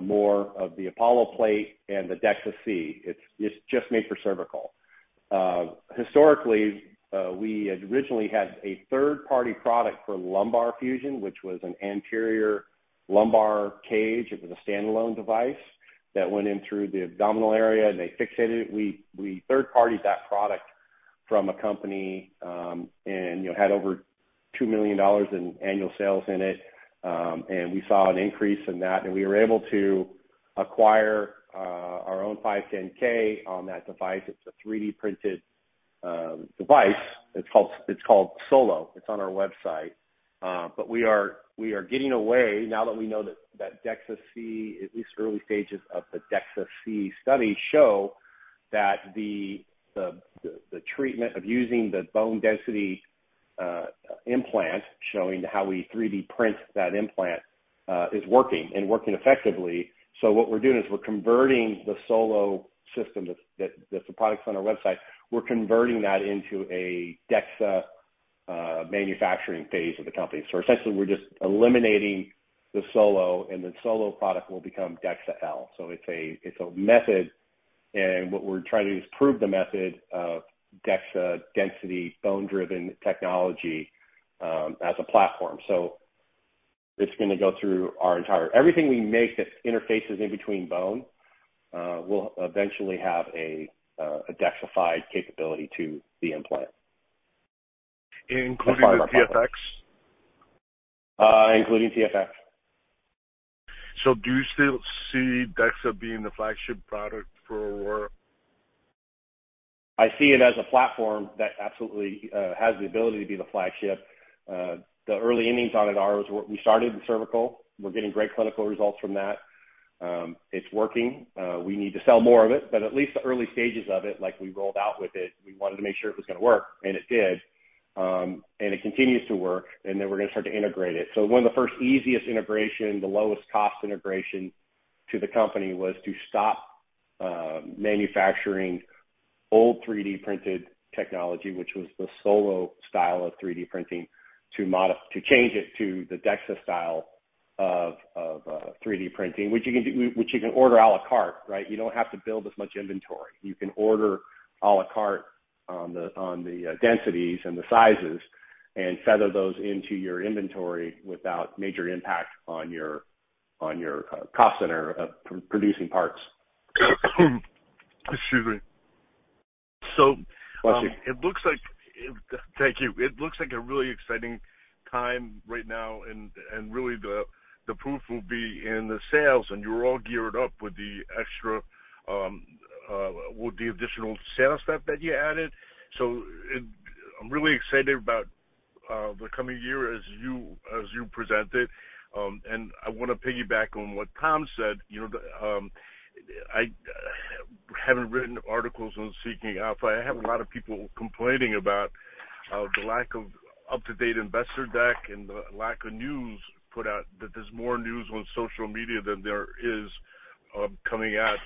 more of the Apollo plate and the DEXA-C. It's, it's just made for cervical. Historically, we had originally had a third-party product for lumbar fusion, which was an anterior lumbar cage. It was a standalone device that went in through the abdominal area, and they fixated it. We, we third-partied that product from a company, and, you know, had over $2 million in annual sales in it. And we saw an increase in that, and we were able to acquire our own 510(k) on that device. It's a 3D printed device. It's called, it's called SOLO. It's on our website. But we are getting away, now that we know that DEXA-C, at least early stages of the DEXA-C study, show that the treatment of using the bone density implant, showing how we 3D print that implant, is working and working effectively. So what we're doing is we're converting the Solo system, that's the products on our website. We're converting that into a DEXA manufacturing phase of the company. So essentially, we're just eliminating the Solo, and the Solo product will become DEXA-L. So it's a method, and what we're trying to do is prove the method of DEXA density, bone-driven technology, as a platform. So it's gonna go through our entire... Everything we make that interfaces in between bone will eventually have a dexified capability to the implant. Including TFX? including TFX. Do you still see DEXA being the flagship product for Aurora? I see it as a platform that absolutely has the ability to be the flagship. The early innings on it are what we started in cervical. We're getting great clinical results from that. It's working. We need to sell more of it, but at least the early stages of it, like we rolled out with it, we wanted to make sure it was gonna work, and it did. And it continues to work, and then we're gonna start to integrate it. So one of the first easiest integration, the lowest cost integration to the company, was to stop manufacturing old 3D printed technology, which was the Solo style of 3D printing, to change it to the DEXA style of 3D printing, which you can do, which you can order à la carte, right? You don't have to build as much inventory. You can order à la carte on the densities and the sizes and feather those into your inventory without major impact on your cost center of producing parts. Excuse me. So- Bless you. It looks like... Thank you. It looks like a really exciting time right now, and, and really, the, the proof will be in the sales, and you're all geared up with the extra, with the additional sales staff that you added. So it... I'm really excited about, the coming year as you, as you presented. And I wanna piggyback on what Tom said. You know, the, I haven't written articles on Seeking Alpha. I have a lot of people complaining about, the lack of up-to-date investor deck and the lack of news put out, that there's more news on social media than there is, coming out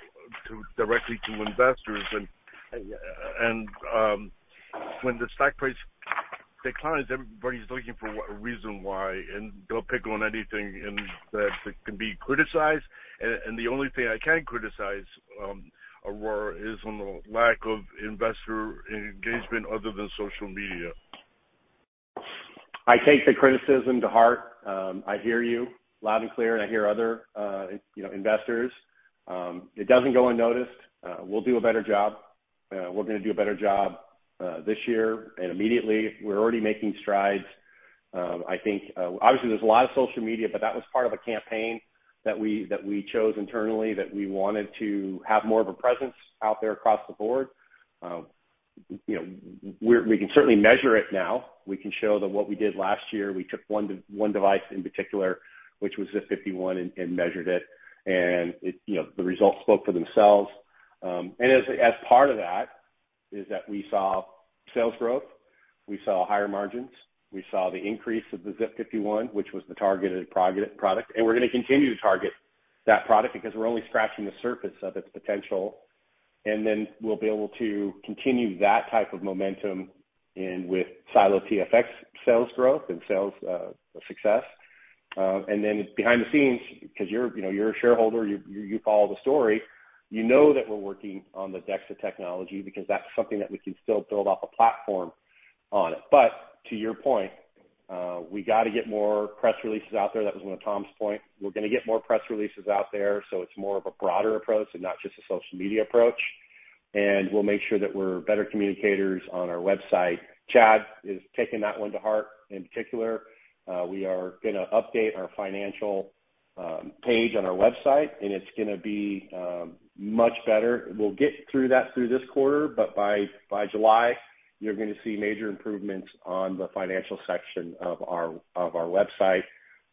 to, directly to investors. And, and, when the stock price declines, everybody's looking for a reason why, and they'll pick on anything in that, that can be criticized. The only thing I can criticize, Aurora, is on the lack of investor engagement other than social media. I take the criticism to heart. I hear you loud and clear, and I hear other, you know, investors. It doesn't go unnoticed. We'll do a better job. We're gonna do a better job, this year and immediately. We're already making strides. I think, obviously there's a lot of social media, but that was part of a campaign that we, that we chose internally, that we wanted to have more of a presence out there across the board. You know, we, we can certainly measure it now. We can show that what we did last year, we took one device in particular, which was the 51, and measured it, and it, you know, the results spoke for themselves. And as part of that, is that we saw sales growth, we saw higher margins, we saw the increase of the ZIP 51, which was the targeted product. And we're gonna continue to target that product because we're only scratching the surface of its potential. And then we'll be able to continue that type of momentum and with SiLO TFX sales growth and sales success. And then behind the scenes, because you're, you know, you're a shareholder, you follow the story, you know that we're working on the DEXA technology because that's something that we can still build off a platform on it. But to your point, we got to get more press releases out there. That was one of Tom's point. We're gonna get more press releases out there, so it's more of a broader approach and not just a social media approach. We'll make sure that we're better communicators on our website. Chad has taken that one to heart. In particular, we are gonna update our financial page on our website, and it's gonna be much better. We'll get through that through this quarter, but by July, you're gonna see major improvements on the financial section of our website,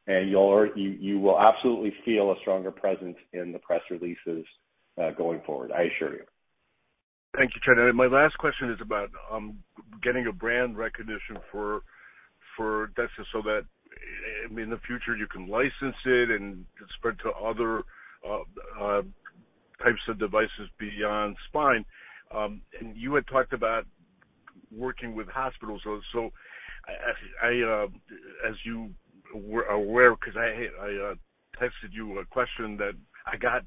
and you will absolutely feel a stronger presence in the press releases going forward, I assure you.... Thank you, Chad. And my last question is about getting a brand recognition for DEXA so that in the future, you can license it and spread to other types of devices beyond spine. And you had talked about working with hospitals. So, as you were aware, because I texted you a question that I got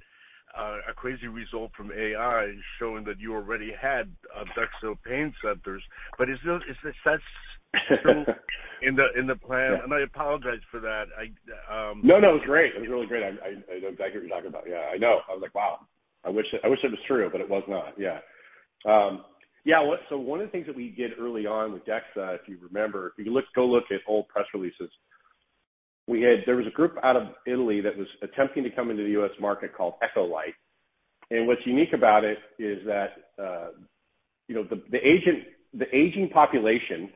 a crazy result from AI showing that you already had DEXA pain centers, but is that still in the plan? And I apologize for that. No, no, it's great. It's really great. I, I know exactly what you're talking about. Yeah, I know. I was like, wow, I wish, I wish it was true, but it was not. Yeah. Yeah, so one of the things that we did early on with DEXA, if you remember, if you look, go look at old press releases. There was a group out of Italy that was attempting to come into the U.S. market called Echolight. And what's unique about it is that, you know, the aging population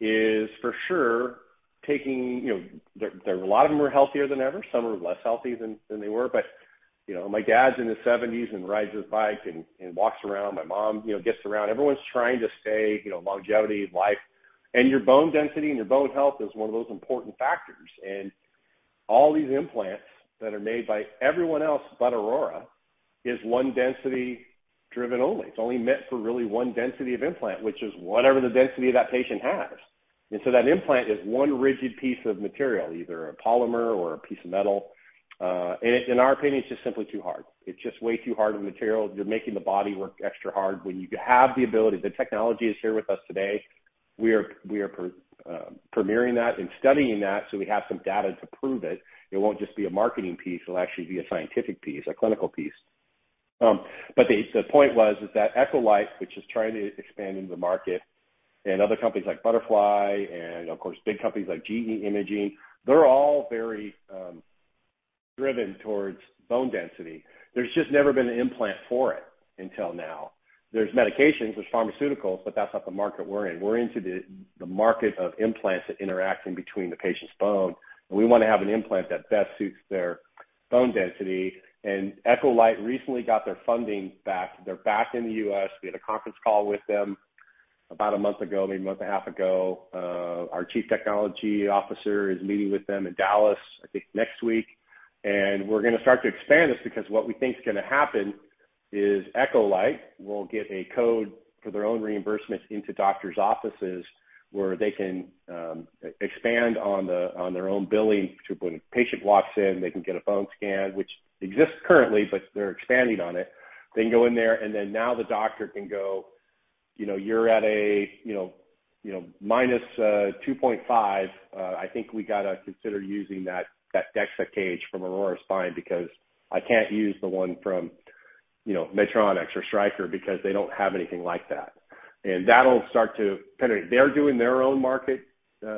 is for sure taking, you know, they're, they're, a lot of them are healthier than ever. Some are less healthy than, than they were. But, you know, my dad's in his seventies and rides his bike and, and walks around. My mom, you know, gets around. Everyone's trying to stay, you know, longevity of life, and your bone density and your bone health is one of those important factors. And all these implants that are made by everyone else but Aurora is one density driven only. It's only meant for really one density of implant, which is whatever the density of that patient has. And so that implant is one rigid piece of material, either a polymer or a piece of metal. And in our opinion, it's just simply too hard. It's just way too hard of a material. You're making the body work extra hard when you have the ability, the technology is here with us today. We are premiering that and studying that, so we have some data to prove it. It won't just be a marketing piece, it'll actually be a scientific piece, a clinical piece. But the point was, is that Echolight, which is trying to expand into the market, and other companies like Butterfly and, of course, big companies like GE Imaging, they're all very driven towards bone density. There's just never been an implant for it until now. There's medications, there's pharmaceuticals, but that's not the market we're in. We're into the market of implants that interacting between the patient's bone, and we want to have an implant that best suits their bone density. And Echolight recently got their funding back. They're back in the U.S. We had a conference call with them about a month ago, maybe a month and a half ago. Our Chief Technology Officer is meeting with them in Dallas, I think, next week. We're gonna start to expand this because what we think is gonna happen is Echolight will get a code for their own reimbursements into doctor's offices, where they can expand on the, on their own billing. So when a patient walks in, they can get a bone scan, which exists currently, but they're expanding on it. They can go in there, and then now the doctor can go, "You know, you're at a, you know, you know, minus 2.5. I think we got to consider using that, that DEXA cage from Aurora Spine, because I can't use the one from, you know, Medtronic or Stryker because they don't have anything like that." And that'll start to penetrate. They're doing their own market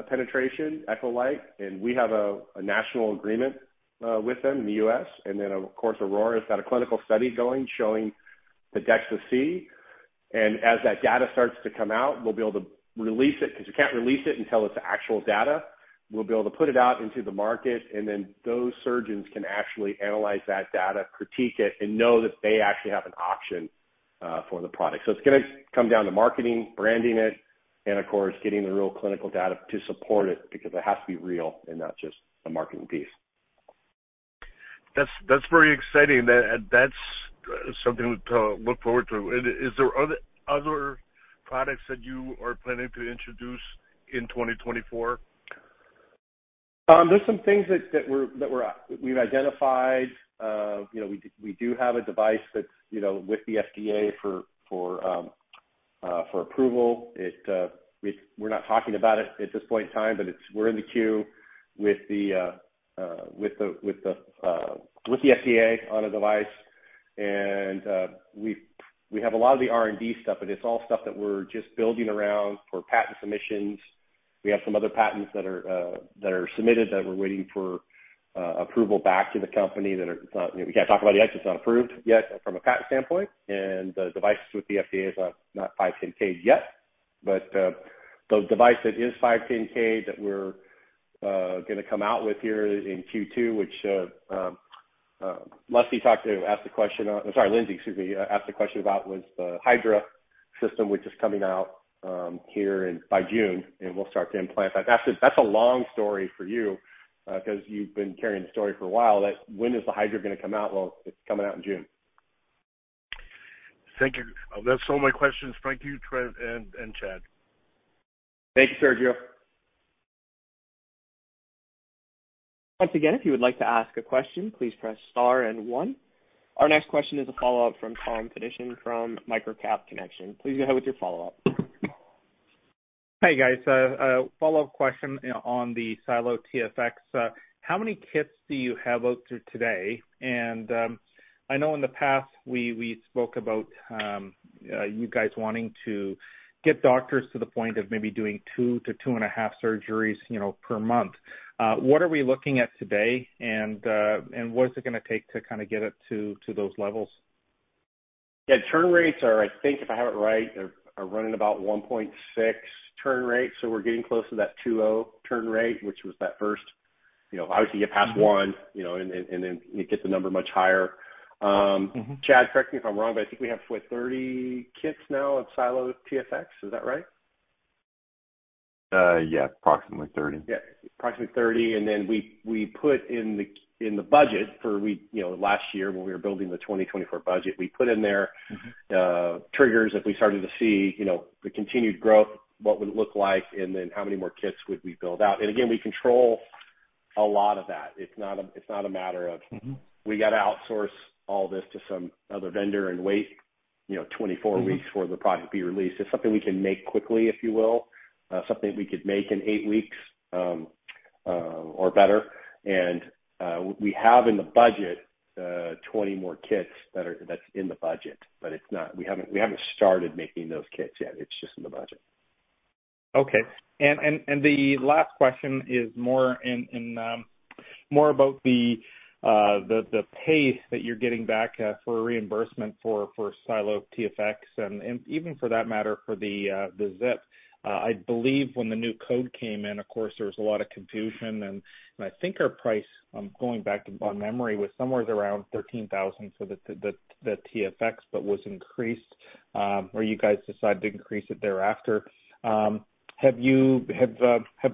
penetration, Echolight, and we have a national agreement with them in the U.S. Then, of course, Aurora's got a clinical study going, showing the DEXA-C. As that data starts to come out, we'll be able to release it, because you can't release it until it's actual data. We'll be able to put it out into the market, and then those surgeons can actually analyze that data, critique it, and know that they actually have an option for the product. So it's gonna come down to marketing, branding it, and of course, getting the real clinical data to support it, because it has to be real and not just a marketing piece. That's very exciting. That's something to look forward to. And is there other products that you are planning to introduce in 2024? There's some things that we've identified. You know, we do have a device that's, you know, with the FDA for approval. We're not talking about it at this point in time, but it's-- we're in the queue with the FDA on a device. We have a lot of the R&D stuff, but it's all stuff that we're just building around for patent submissions. We have some other patents that are submitted that we're waiting for approval back to the company that we can't talk about it yet, it's not approved yet from a patent standpoint. The devices with the FDA is not 510(k) yet. But, the device that is 510(k) that we're gonna come out with here in Q2, which Lindsay asked a question about was the Hydra system, which is coming out here by June, and we'll start to implant that. That's a long story for you, because you've been carrying the story for a while, that when is the Hydra going to come out? Well, it's coming out in June. Thank you. That's all my questions. Thank you, Trent and Chad. Thank you, Sergio. Once again, if you would like to ask a question, please press Star and one. Our next question is a follow-up from Tom Fedishin from MicroCap Connection. Please go ahead with your follow-up. Hey, guys. A follow-up question on the SiLO TFX. How many kits do you have out there today? And, I know in the past, we spoke about you guys wanting to get doctors to the point of maybe doing two-2.5 surgeries, you know, per month. What are we looking at today? And, what is it gonna take to kind of get it to those levels? Yeah, turn rates are, I think, if I have it right, running about 1.6 turn rate, so we're getting close to that 2.0 turn rate, which was that first... you know, obviously you pass 1, you know, and then it gets the number much higher. Mm-hmm. Chad, correct me if I'm wrong, but I think we have what, 30 kits now of SiLO TFX, is that right? Yeah, approximately 30. Yeah, approximately 30. And then we put in the budget for... You know, last year when we were building the 2024 budget, we put in there- Mm-hmm... triggers, if we started to see, you know, the continued growth, what would it look like, and then how many more kits would we build out? And again, we control a lot of that. It's not a matter of- Mm-hmm - we gotta outsource all this to some other vendor and wait, you know, 24 weeks- Mm-hmm For the product to be released. It's something we can make quickly, if you will, something we could make in eight weeks, or better. We have in the budget 20 more kits that are, that's in the budget, but it's not... We haven't started making those kits yet. It's just in the budget. Okay. The last question is more about the pace that you're getting back for reimbursement for SiLO TFX, and even for that matter, for the ZIP. I believe when the new code came in, of course, there was a lot of confusion, and I think our price, I'm going back on memory, was somewhere around $13,000 for the TFX, but was increased, or you guys decided to increase it thereafter. Have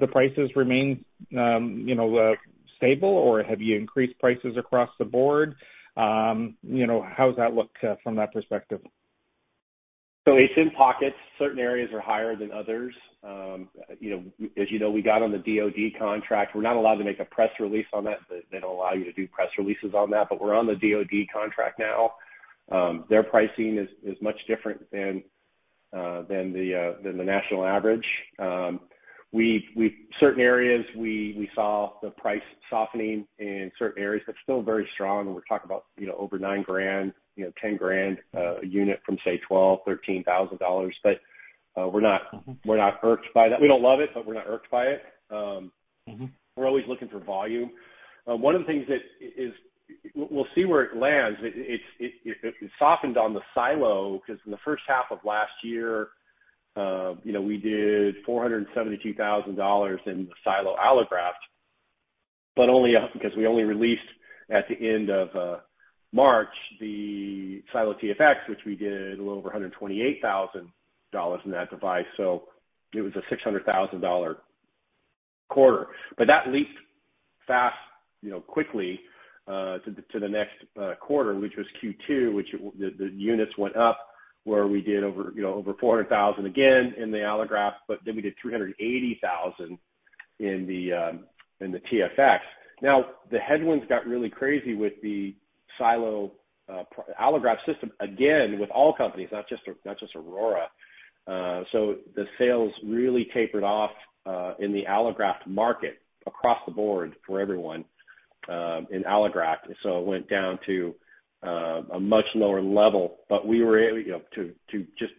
the prices remained, you know, stable, or have you increased prices across the board? You know, how does that look from that perspective? So it's in pockets. Certain areas are higher than others. You know, as you know, we got on the DOD contract. We're not allowed to make a press release on that. They don't allow you to do press releases on that, but we're on the DOD contract now. Their pricing is much different than the national average. We saw the price softening in certain areas, but still very strong, and we're talking about, you know, over $9,000, you know, $10,000 a unit from, say, $12,000-$13,000. But we're not- Mm-hmm... we're not irked by that. We don't love it, but we're not irked by it. Mm-hmm... we're always looking for volume. One of the things that is, we'll see where it lands. It softened on the SiLO because in the first half of last year, you know, we did $472,000 in the SiLO allograft, but only up because we only released at the end of March, the SiLO TFX, which we did a little over $128,000 in that device, so it was a $600,000 quarter. But that leaked fast, you know, quickly, to the next quarter, which was Q2, which the units went up, where we did over, you know, over 400,000 again in the allograft, but then we did 380,000 in the TFX. Now, the headwinds got really crazy with the SiLO, allograft system, again, with all companies, not just, not just Aurora. So the sales really tapered off, in the allograft market across the board for everyone, in allograft, so it went down to, a much lower level. But we were able, you know, to, to just,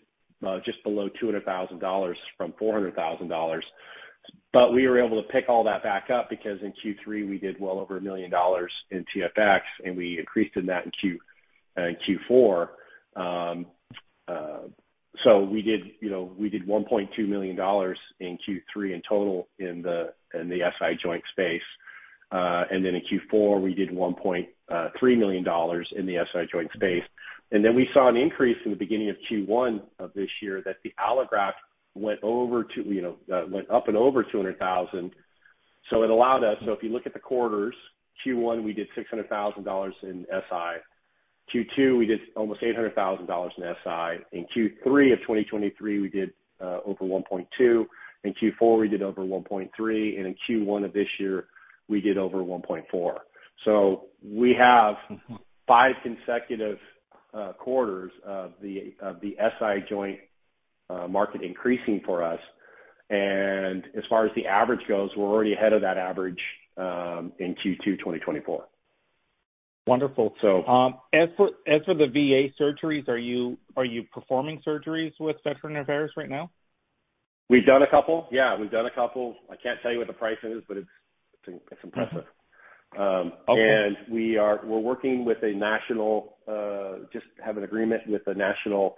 just below $200,000 from $400,000. But we were able to pick all that back up because in Q3 we did well over $1 million in TFX, and we increased in that in Q- in Q4. So we did, you know, we did $1.2 million in Q3 in total in the, in the SI joint space. And then in Q4, we did one point three, $1.3 million in the SI joint space. Then we saw an increase in the beginning of Q1 of this year that the allograft went over 200,000, you know, went up and over $200,000. So it allowed us... So if you look at the quarters, Q1, we did $600,000 in SI. Q2, we did almost $800,000 in SI. In Q3 of 2023, we did over $1.2 million. In Q4, we did over $1.3 million. And in Q1 of this year, we did over $1.4 million. So we have- Mm-hmm... five consecutive quarters of the SI joint market increasing for us. As far as the average goes, we're already ahead of that average in Q2 2024. Wonderful. So- As for the VA surgeries, are you performing surgeries with Veterans Affairs right now? We've done a couple. Yeah, we've done a couple. I can't tell you what the price is, but it's, it's impressive. Mm-hmm. Um- Okay. We're working with a national, just have an agreement with a national,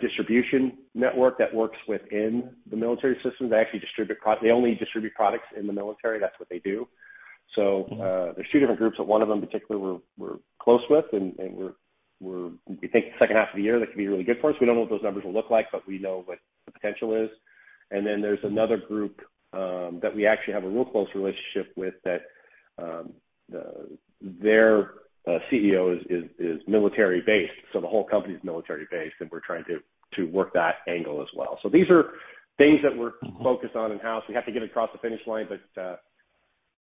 distribution network that works within the military system. They actually distribute—they only distribute products in the military. That's what they do. So- Mm-hmm... there's two different groups, but one of them in particular, we're close with, and we think the second half of the year, that could be really good for us. We don't know what those numbers will look like, but we know what the potential is. And then there's another group that we actually have a real close relationship with that their CEO is military-based, so the whole company is military-based, and we're trying to work that angle as well. So these are things that we're- Mm-hmm... focused on in-house. We have to get across the finish line, but,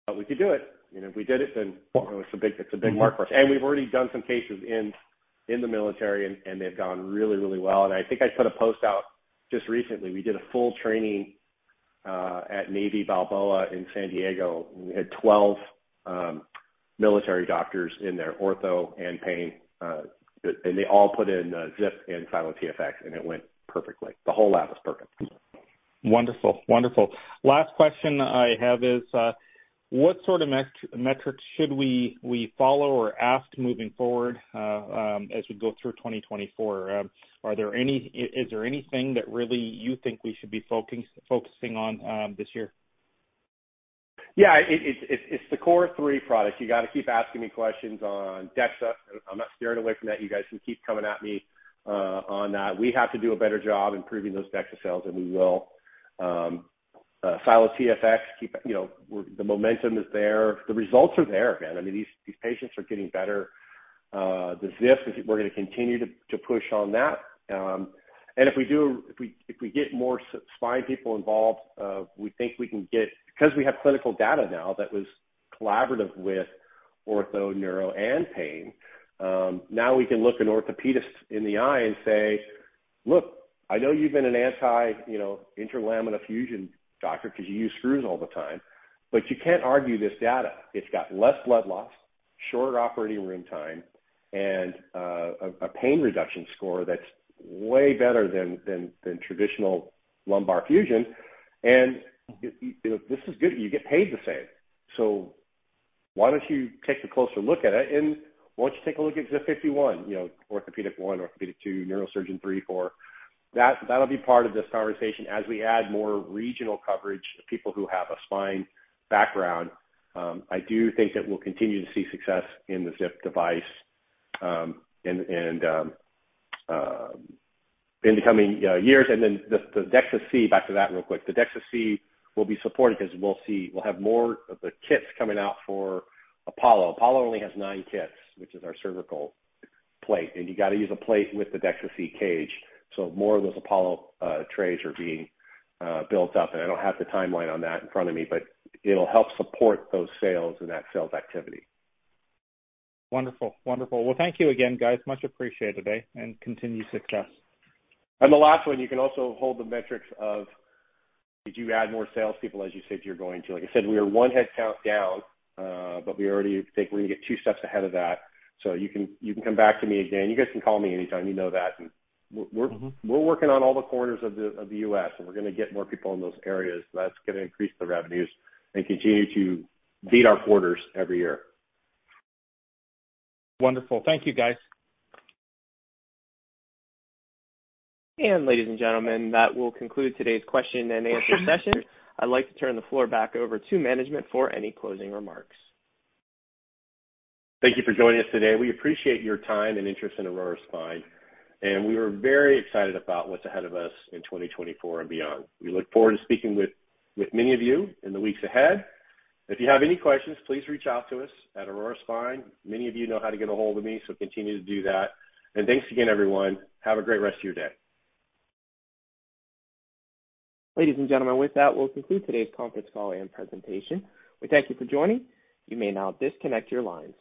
but we could do it. You know, if we did it, then it's a big, it's a big mark for us. Mm-hmm. We've already done some cases in the military, and they've gone really, really well. I think I put a post out just recently. We did a full training at Navy Balboa, San Diego. We had 12 military doctors in there, ortho and pain, and they all put in ZIP and SiLO TFX, and it went perfectly. The whole lab was perfect. Wonderful. Wonderful. Last question I have is, what sort of metrics should we follow or ask moving forward, as we go through 2024? Are there any... is there anything that really you think we should be focusing on, this year?... Yeah, it's the core three products. You got to keep asking me questions on DEXA. I'm not steering away from that. You guys can keep coming at me on that. We have to do a better job improving those DEXA sales, and we will. SiLO TFX, you know, we're, the momentum is there, the results are there, again. I mean, these patients are getting better. The ZIP, we're gonna continue to push on that. And if we do, if we get more spine people involved, we think we can get... Because we have clinical data now that was collaborative with ortho, neuro, and pain, now we can look an orthopedist in the eye and say, "Look, I know you've been an anti, you know, interlaminar fusion doctor because you use screws all the time, but you can't argue this data. It's got less blood loss, shorter operating room time, and a pain reduction score that's way better than traditional lumbar fusion. And you know, this is good. You get paid the same. So why don't you take a closer look at it, and why don't you take a look at ZIP 51? You know, orthopedic one, orthopedic two, neurosurgeon three, four." That, that'll be part of this conversation as we add more regional coverage of people who have a spine background. I do think that we'll continue to see success in the ZIP device, and in the coming years. And then the DEXA-C, back to that real quick. The DEXA-C will be supported because we'll see, we'll have more of the kits coming out for Apollo. Apollo only has nine kits, which is our cervical plate, and you got to use a plate with the DEXA-C cage. So more of those Apollo trays are being built up, and I don't have the timeline on that in front of me, but it'll help support those sales and that sales activity. Wonderful. Wonderful. Well, thank you again, guys. Much appreciated today, and continued success. The last one, you can also hold the metrics of, did you add more salespeople, as you said you're going to? Like I said, we are one headcount down, but we already think we're going to get two steps ahead of that. So you can, you can come back to me again. You guys can call me anytime, you know that. Mm-hmm. We're working on all the corners of the U.S., and we're going to get more people in those areas. That's going to increase the revenues and continue to beat our quarters every year. Wonderful. Thank you, guys. Ladies and gentlemen, that will conclude today's question and answer session. I'd like to turn the floor back over to management for any closing remarks. Thank you for joining us today. We appreciate your time and interest in Aurora Spine, and we are very excited about what's ahead of us in 2024 and beyond. We look forward to speaking with many of you in the weeks ahead. If you have any questions, please reach out to us at Aurora Spine. Many of you know how to get a hold of me, so continue to do that. Thanks again, everyone. Have a great rest of your day. Ladies and gentlemen, with that, we'll conclude today's conference call and presentation. We thank you for joining. You may now disconnect your lines.